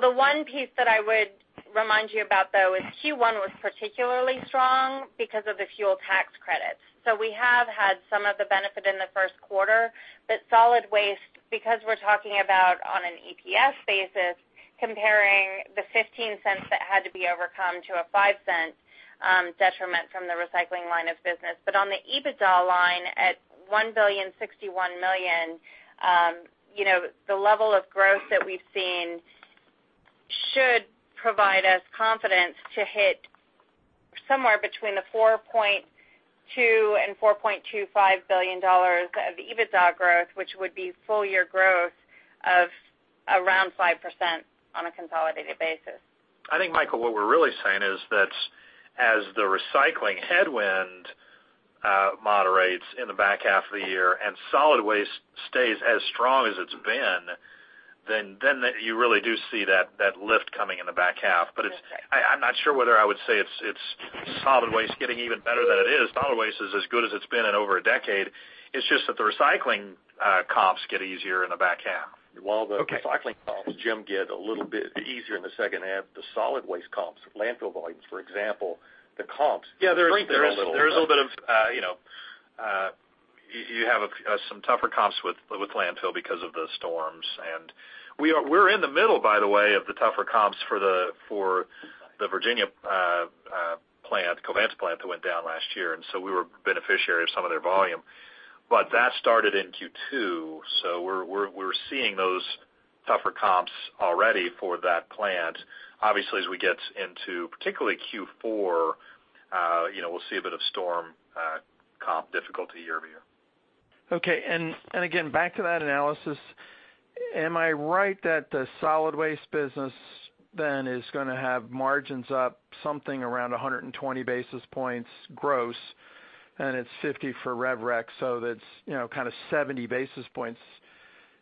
The one piece that I would remind you about, though, is Q1 was particularly strong because of the fuel tax credits. Solid waste, because we're talking about on an EPS basis, comparing the $0.15 that had to be overcome to a $0.05 detriment from the recycling line of business. On the EBITDA line, at $1.061 billion, the level of growth that we've seen should provide us confidence to hit somewhere between the $4.2 and $4.25 billion of EBITDA growth, which would be full year growth of around 5% on a consolidated basis.
I think, Michael, what we're really saying is that as the recycling headwind moderates in the back half of the year and solid waste stays as strong as it's been, then you really do see that lift coming in the back half.
That's right.
I'm not sure whether I would say it's solid waste getting even better than it is. Solid waste is as good as it's been in over a decade. It's just that the recycling comps get easier in the back half.
Okay.
While the recycling comps, Jim, get a little bit easier in the second half, the solid waste comps, landfill volumes, for example.
Yeah. strengthen a little bit. You have some tougher comps with landfill because of the storms. We're in the middle, by the way, of the tougher comps for the. Right Virginia plant, Covanta plant, that went down last year, so we were beneficiary of some of their volume. That started in Q2, so we're seeing those tougher comps already for that plant. Obviously, as we get into particularly Q4, we'll see a bit of storm comp difficulty year-over-year.
Okay. Again, back to that analysis. Am I right that the solid waste business then is going to have margins up something around 120 basis points gross and it's 50 for rev-rec, that's kind of 70 basis points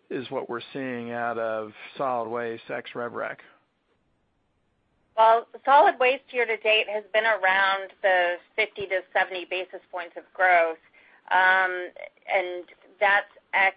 is what we're seeing out of solid waste ex rev-rec?
Well, solid waste year to date has been around the 50-70 basis points of growth, and that's ex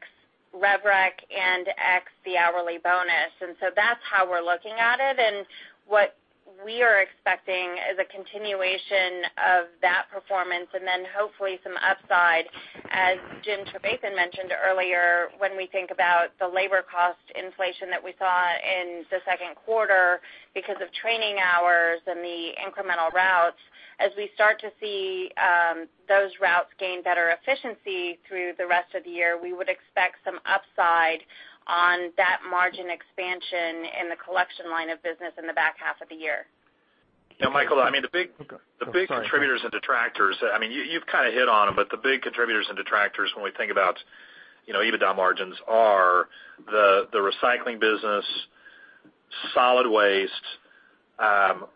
rev-rec and ex the hourly bonus. That's how we're looking at it. What we are expecting as a continuation of that performance and then hopefully some upside, as Jim Trevathan mentioned earlier, when we think about the labor cost inflation that we saw in the second quarter because of training hours and the incremental routes. As we start to see those routes gain better efficiency through the rest of the year, we would expect some upside on that margin expansion in the collection line of business in the back half of the year.
Yeah, Michael.
Okay. Sorry
contributors and detractors. You've kind of hit on them, the big contributors and detractors, when we think about EBITDA margins are the recycling business, solid waste,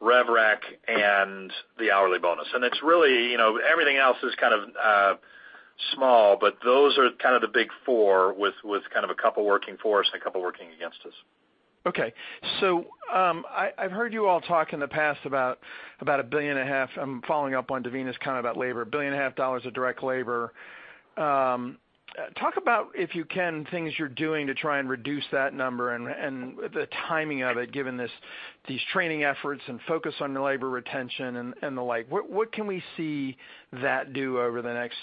rev-rec, and the hourly bonus. Everything else is kind of small, but those are kind of the big four with kind of a couple working for us and a couple working against us.
I've heard you all talk in the past about a billion and a half I'm following up on Devina's comment about labor. A billion and a half dollars of direct labor. Talk about, if you can, things you're doing to try and reduce that number and the timing of it, given these training efforts and focus on labor retention and the like. What can we see that do over the next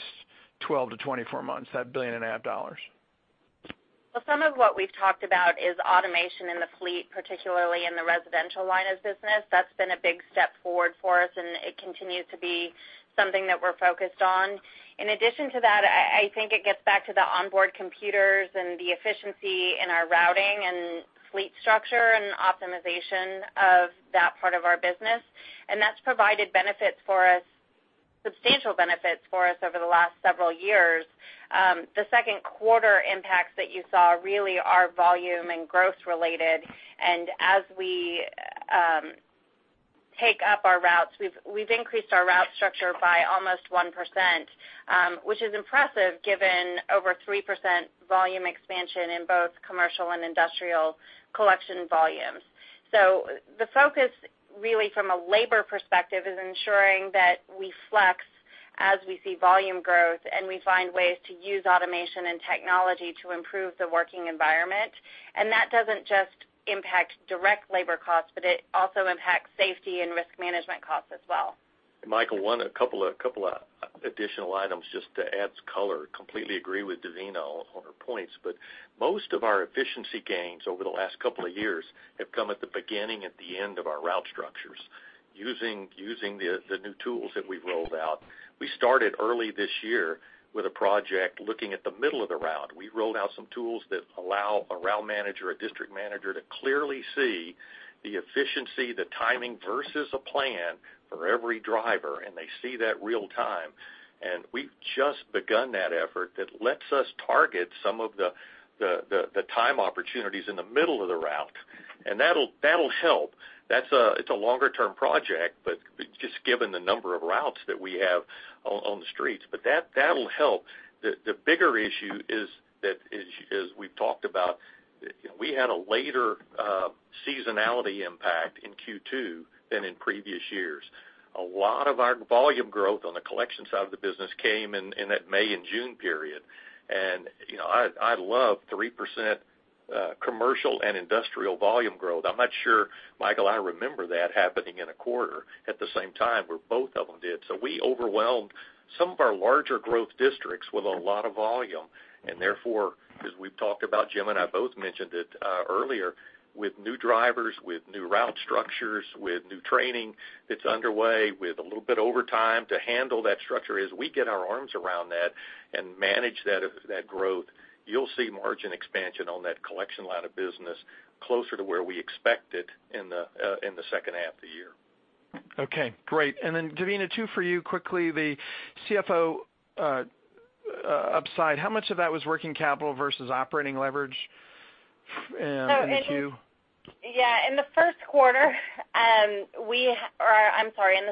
12-24 months, that billion and a half dollars?
Well, some of what we've talked about is automation in the fleet, particularly in the residential line of business. That's been a big step forward for us, and it continues to be something that we're focused on. In addition to that, I think it gets back to the onboard computers and the efficiency in our routing and fleet structure and optimization of that part of our business. That's provided substantial benefits for us over the last several years. The second quarter impacts that you saw really are volume and growth related. As we take up our routes, we've increased our route structure by almost 1%, which is impressive given over 3% volume expansion in both commercial and industrial collection volumes. The focus really from a labor perspective is ensuring that we flex as we see volume growth. We find ways to use automation and technology to improve the working environment. That doesn't just impact direct labor costs, it also impacts safety and risk management costs as well.
Michael, a couple of additional items just to add color. Completely agree with Devina on her points. Most of our efficiency gains over the last couple of years have come at the beginning and the end of our route structures using the new tools that we've rolled out. We started early this year with a project looking at the middle of the route. We rolled out some tools that allow a route manager, a district manager, to clearly see the efficiency, the timing versus a plan for every driver, and they see that real time. We've just begun that effort that lets us target some of the time opportunities in the middle of the route. That'll help. It's a longer-term project, just given the number of routes that we have on the streets, that'll help. The bigger issue is that, as we've talked about, we had a later seasonality impact in Q2 than in previous years. A lot of our volume growth on the collection side of the business came in that May and June period. I love 3% commercial and industrial volume growth. I'm not sure, Michael, I remember that happening in a quarter at the same time, where both of them did. We overwhelmed some of our larger growth districts with a lot of volume and therefore, as we've talked about, Jim and I both mentioned it earlier, with new drivers, with new route structures, with new training that's underway, with a little bit overtime to handle that structure. As we get our arms around that and manage that growth, you'll see margin expansion on that collection line of business closer to where we expect it in the second half of the year.
Okay, great. Devina, two for you quickly. The CFO upside, how much of that was working capital versus operating leverage in Q2?
Yeah. In the second quarter, we had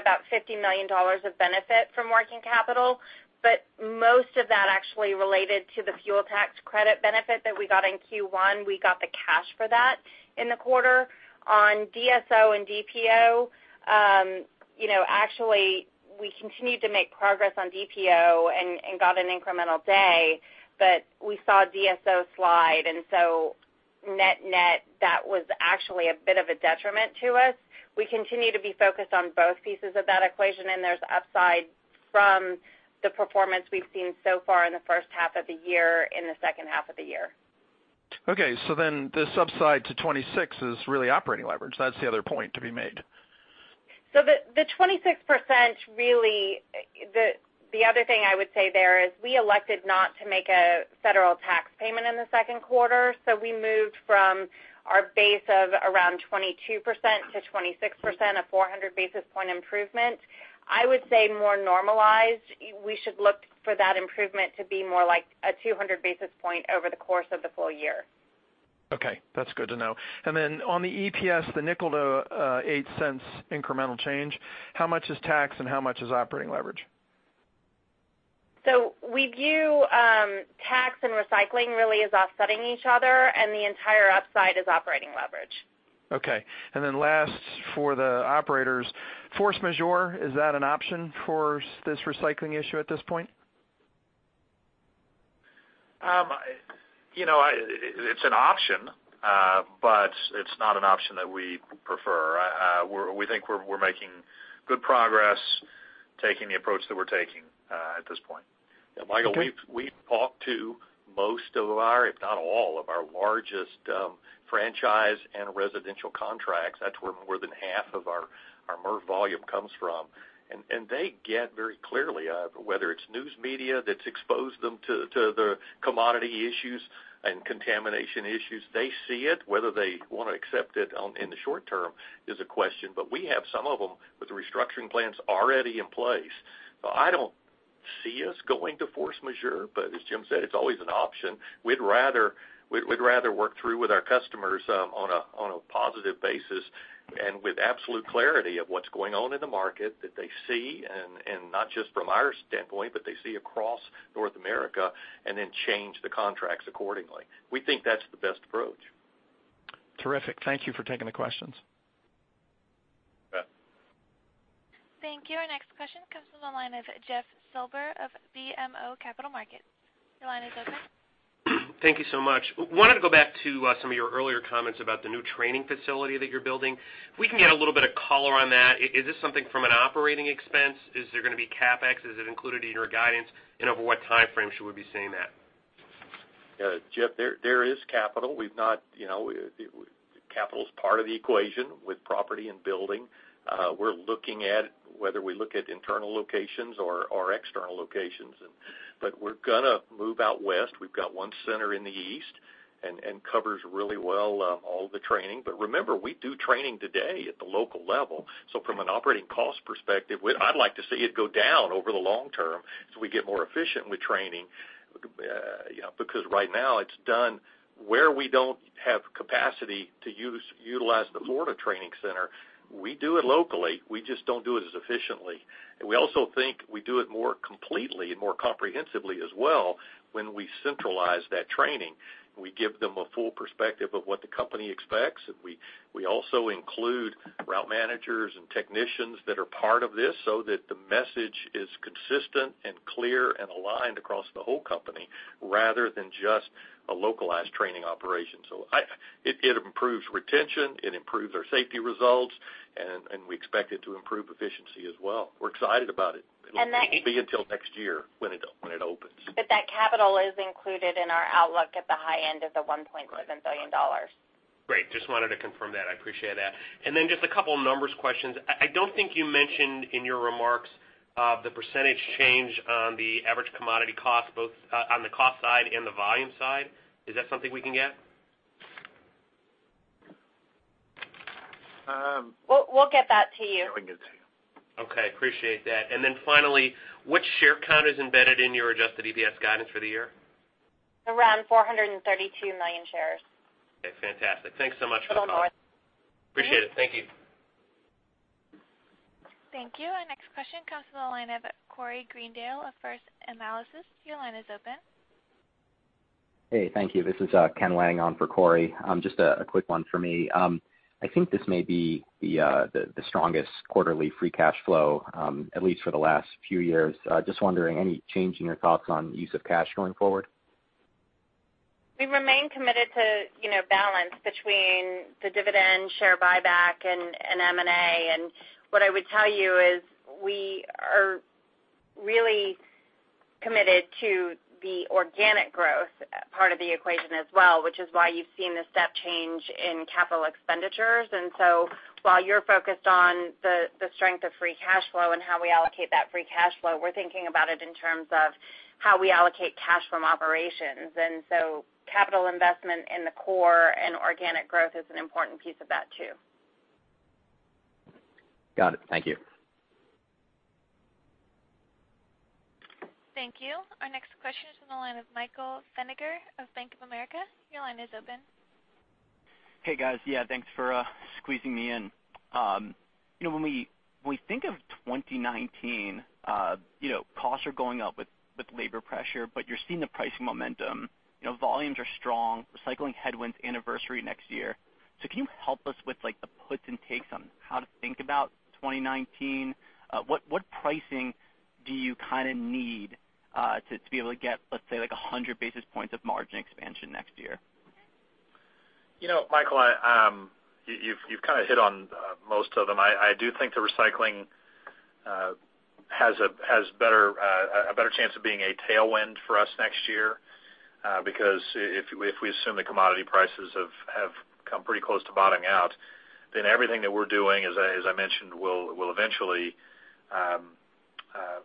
about $50 million of benefit from working capital, but most of that actually related to the fuel tax credit benefit that we got in Q1. We got the cash for that in the quarter. On DSO and DPO, actually, we continued to make progress on DPO and got an incremental day, we saw DSO slide, net net, that was actually a bit of a detriment to us. We continue to be focused on both pieces of that equation, there's upside from the performance we've seen so far in the first half of the year in the second half of the year.
Okay. This subside to 26 is really operating leverage. That's the other point to be made.
The 26%, the other thing I would say there is we elected not to make a federal tax payment in the second quarter. We moved from our base of around 22% to 26%, a 400 basis point improvement. I would say more normalized, we should look for that improvement to be more like a 200 basis point over the course of the full year.
Okay. That's good to know. On the EPS, the $0.05 to $0.08 incremental change, how much is tax and how much is operating leverage?
We view tax and recycling really as offsetting each other, and the entire upside is operating leverage.
Okay. Last for the Operator, force majeure, is that an option for this recycling issue at this point?
It's an option. It's not an option that we prefer. We think we're making good progress taking the approach that we're taking at this point.
Michael, we've talked to most of our, if not all of our largest franchise and residential contracts. That's where more than half of our MRF volume comes from. They get very clearly, whether it's news media that's exposed them to the commodity issues and contamination issues, they see it. Whether they want to accept it in the short term is a question. We have some of them with restructuring plans already in place. I don't see us going to force majeure, as Jim said, it's always an option. We'd rather work through with our customers on a positive basis and with absolute clarity of what's going on in the market that they see, not just from our standpoint, they see across North America. Then change the contracts accordingly. We think that's the best approach.
Terrific. Thank you for taking the questions.
You bet.
Thank you. Our next question comes from the line of Jeff Silber of BMO Capital Markets. Your line is open.
Thank you so much. Wanted to go back to some of your earlier comments about the new training facility that you're building. If we can get a little bit of color on that. Is this something from an operating expense? Is there going to be CapEx? Is it included in your guidance? Over what timeframe should we be seeing that?
Jeff, there is capital. Capital is part of the equation with property and building. We're looking at whether we look at internal locations or external locations, we're going to move out west. We've got one center in the East and covers really well all the training. Remember, we do training today at the local level. From an operating cost perspective, I'd like to see it go down over the long term so we get more efficient with training, because right now it's done where we don't have capacity to utilize the Florida training center. We do it locally. We just don't do it as efficiently. We also think we do it more completely and more comprehensively as well when we centralize that training. We give them a full perspective of what the company expects, we also include route managers and technicians that are part of this so that the message is consistent and clear and aligned across the whole company rather than just a localized training operation. It improves retention, it improves our safety results, and we expect it to improve efficiency as well. We're excited about it. It won't be until next year when it opens.
That capital is included in our outlook at the high end of the $1.7 billion.
Great. Just wanted to confirm that. I appreciate that. Then just a couple numbers questions. I don't think you mentioned in your remarks the % change on the average commodity cost, both on the cost side and the volume side. Is that something we can get?
We'll get that to you.
Yeah, we can get it to you.
Okay. Appreciate that. Finally, what share count is embedded in your adjusted EPS guidance for the year?
Around 432 million shares.
Okay. Fantastic. Thanks so much for the call.
A little more.
Appreciate it. Thank you.
Thank you. Our next question comes from the line of Corey Greendale of First Analysis. Your line is open.
Hey, thank you. This is Ken Wang on for Corey. Just a quick one for me. I think this may be the strongest quarterly free cash flow, at least for the last few years. Just wondering, any change in your thoughts on use of cash going forward?
We remain committed to balance between the dividend share buyback and M&A, what I would tell you is we are really committed to the organic growth part of the equation as well, which is why you've seen the step change in capital expenditures. While you're focused on the strength of free cash flow and how we allocate that free cash flow, we're thinking about it in terms of how we allocate cash from operations. Capital investment in the core and organic growth is an important piece of that, too.
Got it. Thank you.
Thank you. Our next question is from the line of Michael Feniger of Bank of America. Your line is open.
Hey, guys. Yeah, thanks for squeezing me in. When we think of 2019, costs are going up with labor pressure, you're seeing the pricing momentum. Volumes are strong. Recycling headwinds anniversary next year. Can you help us with the puts and takes on how to think about 2019? What pricing do you need to be able to get, let's say, 100 basis points of margin expansion next year?
Michael, you've kind of hit on most of them. I do think the recycling has a better chance of being a tailwind for us next year, because if we assume the commodity prices have come pretty close to bottoming out, then everything that we're doing, as I mentioned, will eventually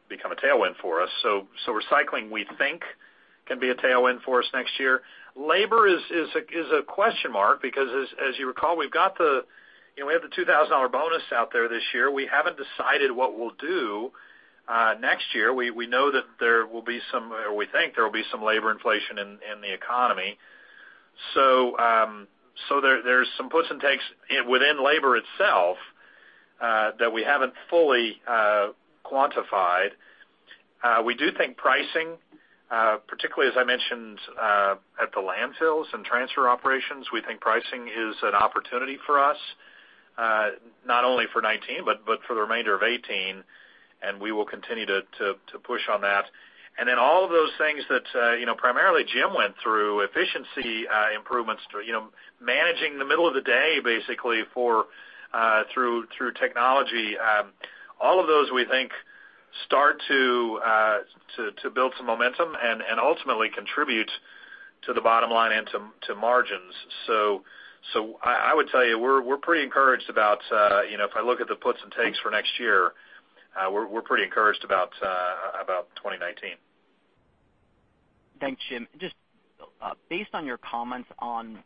become a tailwind for us. Recycling, we think, can be a tailwind for us next year. Labor is a question mark because as you recall, we have the $2,000 bonus out there this year. We haven't decided what we'll do next year. We know that there will be some, or we think there will be some labor inflation in the economy. There's some puts and takes within labor itself that we haven't fully quantified. We do think pricing, particularly as I mentioned at the landfills and transfer operations, we think pricing is an opportunity for us not only for 2019, but for the remainder of 2018, and we will continue to push on that. All of those things that primarily Jim went through, efficiency improvements, managing the middle of the day, basically, through technology. All of those, we think, start to build some momentum, and ultimately contribute to the bottom line and to margins. I would tell you, we're pretty encouraged about, if I look at the puts and takes for next year, we're pretty encouraged about 2019.
Thanks, Jim. Just based on your comments on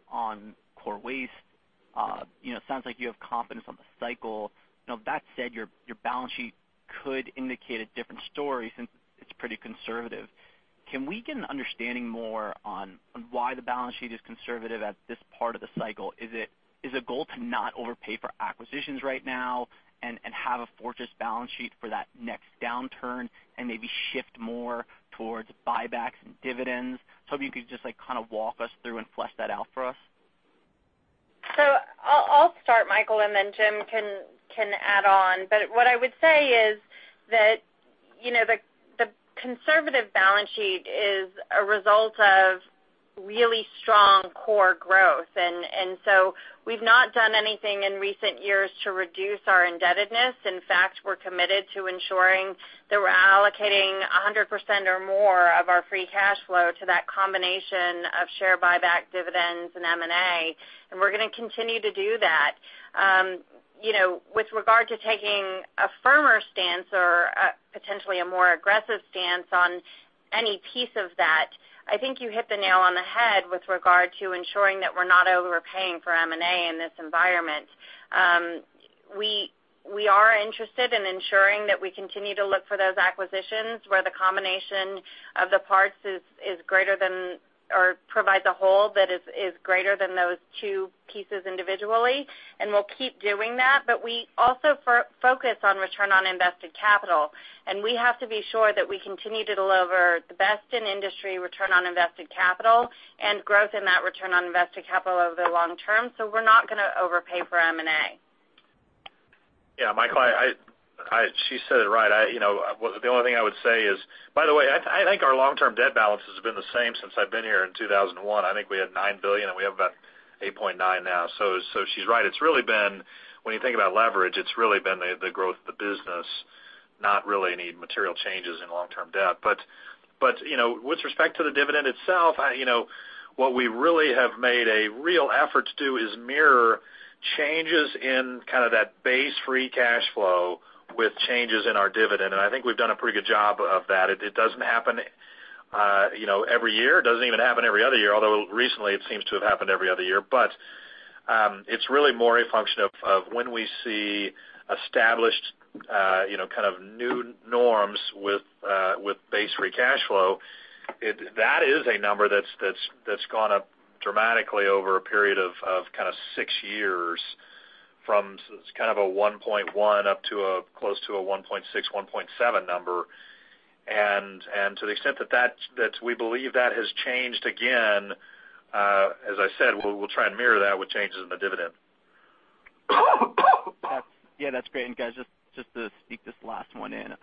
core waste, it sounds like you have confidence on the cycle. That said, your balance sheet could indicate a different story since it's pretty conservative. Can we get an understanding more on why the balance sheet is conservative at this part of the cycle? Is it a goal to not overpay for acquisitions right now and have a fortress balance sheet for that next downturn and maybe shift more towards buybacks and dividends? If you could just walk us through and flesh that out for us.
I'll start, Michael, and then Jim can add on. What I would say is that the conservative balance sheet is a result of really strong core growth. We've not done anything in recent years to reduce our indebtedness. In fact, we're committed to ensuring that we're allocating 100% or more of our free cash flow to that combination of share buyback dividends and M&A, and we're going to continue to do that. With regard to taking a firmer stance or potentially a more aggressive stance on any piece of that, I think you hit the nail on the head with regard to ensuring that we're not overpaying for M&A in this environment. We are interested in ensuring that we continue to look for those acquisitions where the combination of the parts is greater than or provides a whole that is greater than those two pieces individually. We'll keep doing that. We also focus on return on invested capital, and we have to be sure that we continue to deliver the best in industry return on invested capital and growth in that return on invested capital over the long term. We're not going to overpay for M&A.
Yeah, Michael, she said it right. The only thing I would say is, by the way, I think our long-term debt balance has been the same since I've been here in 2001. I think we had $9 billion, and we have about $8.9 billion now. She's right. When you think about leverage, it's really been the growth of the business, not really any material changes in long-term debt. With respect to the dividend itself, what we really have made a real effort to do is mirror changes in that base free cash flow with changes in our dividend, and I think we've done a pretty good job of that. It doesn't happen every year. It doesn't even happen every other year, although recently it seems to have happened every other year. It's really more a function of when we see established new norms with base free cash flow. That is a number that's gone up dramatically over a period of six years from a 1.1 up to a close to a 1.6, 1.7 number. To the extent that we believe that has changed again, as I said, we'll try and mirror that with changes in the dividend.
Yeah, that's great. Guys, just to sneak this last one in.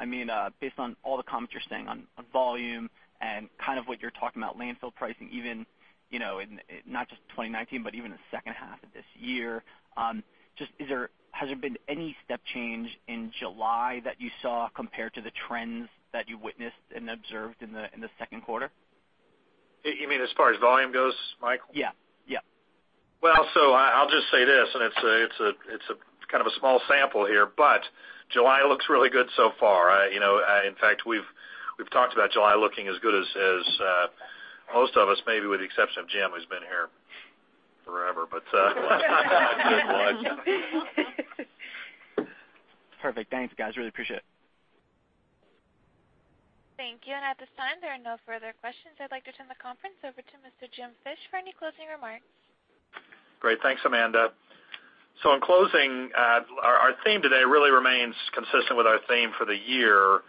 Based on all the comments you're saying on volume and what you're talking about landfill pricing, even in not just 2019, but even the second half of this year, has there been any step change in July that you saw compared to the trends that you witnessed and observed in the second quarter?
You mean as far as volume goes, Michael?
Yeah.
I'll just say this, it's a small sample here, July looks really good so far. In fact, we've talked about July looking as good as most of us, maybe with the exception of Jim, who's been here forever, good luck.
Perfect. Thanks, guys. Really appreciate it.
Thank you. At this time, there are no further questions. I'd like to turn the conference over to Mr. Jim Fish for any closing remarks.
In closing, our theme today really remains consistent with our theme for the year.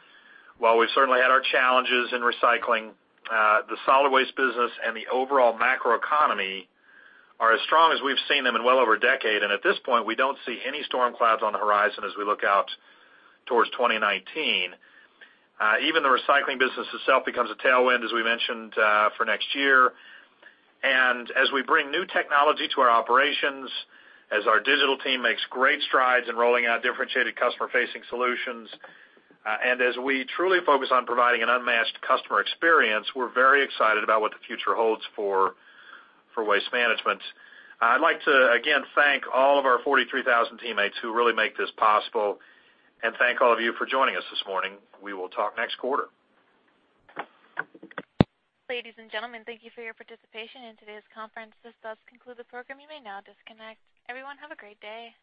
While we've certainly had our challenges in recycling, the solid waste business and the overall macroeconomy are as strong as we've seen them in well over a decade. At this point, we don't see any storm clouds on the horizon as we look out towards 2019. Even the recycling business itself becomes a tailwind, as we mentioned, for next year. As we bring new technology to our operations, as our digital team makes great strides in rolling out differentiated customer-facing solutions, as we truly focus on providing an unmatched customer experience, we're very excited about what the future holds for Waste Management. I'd like to again thank all of our 43,000 teammates who really make this possible, thank all of you for joining us this morning. We will talk next quarter.
Ladies and gentlemen, thank you for your participation in today's conference. This does conclude the program. You may now disconnect. Everyone, have a great day.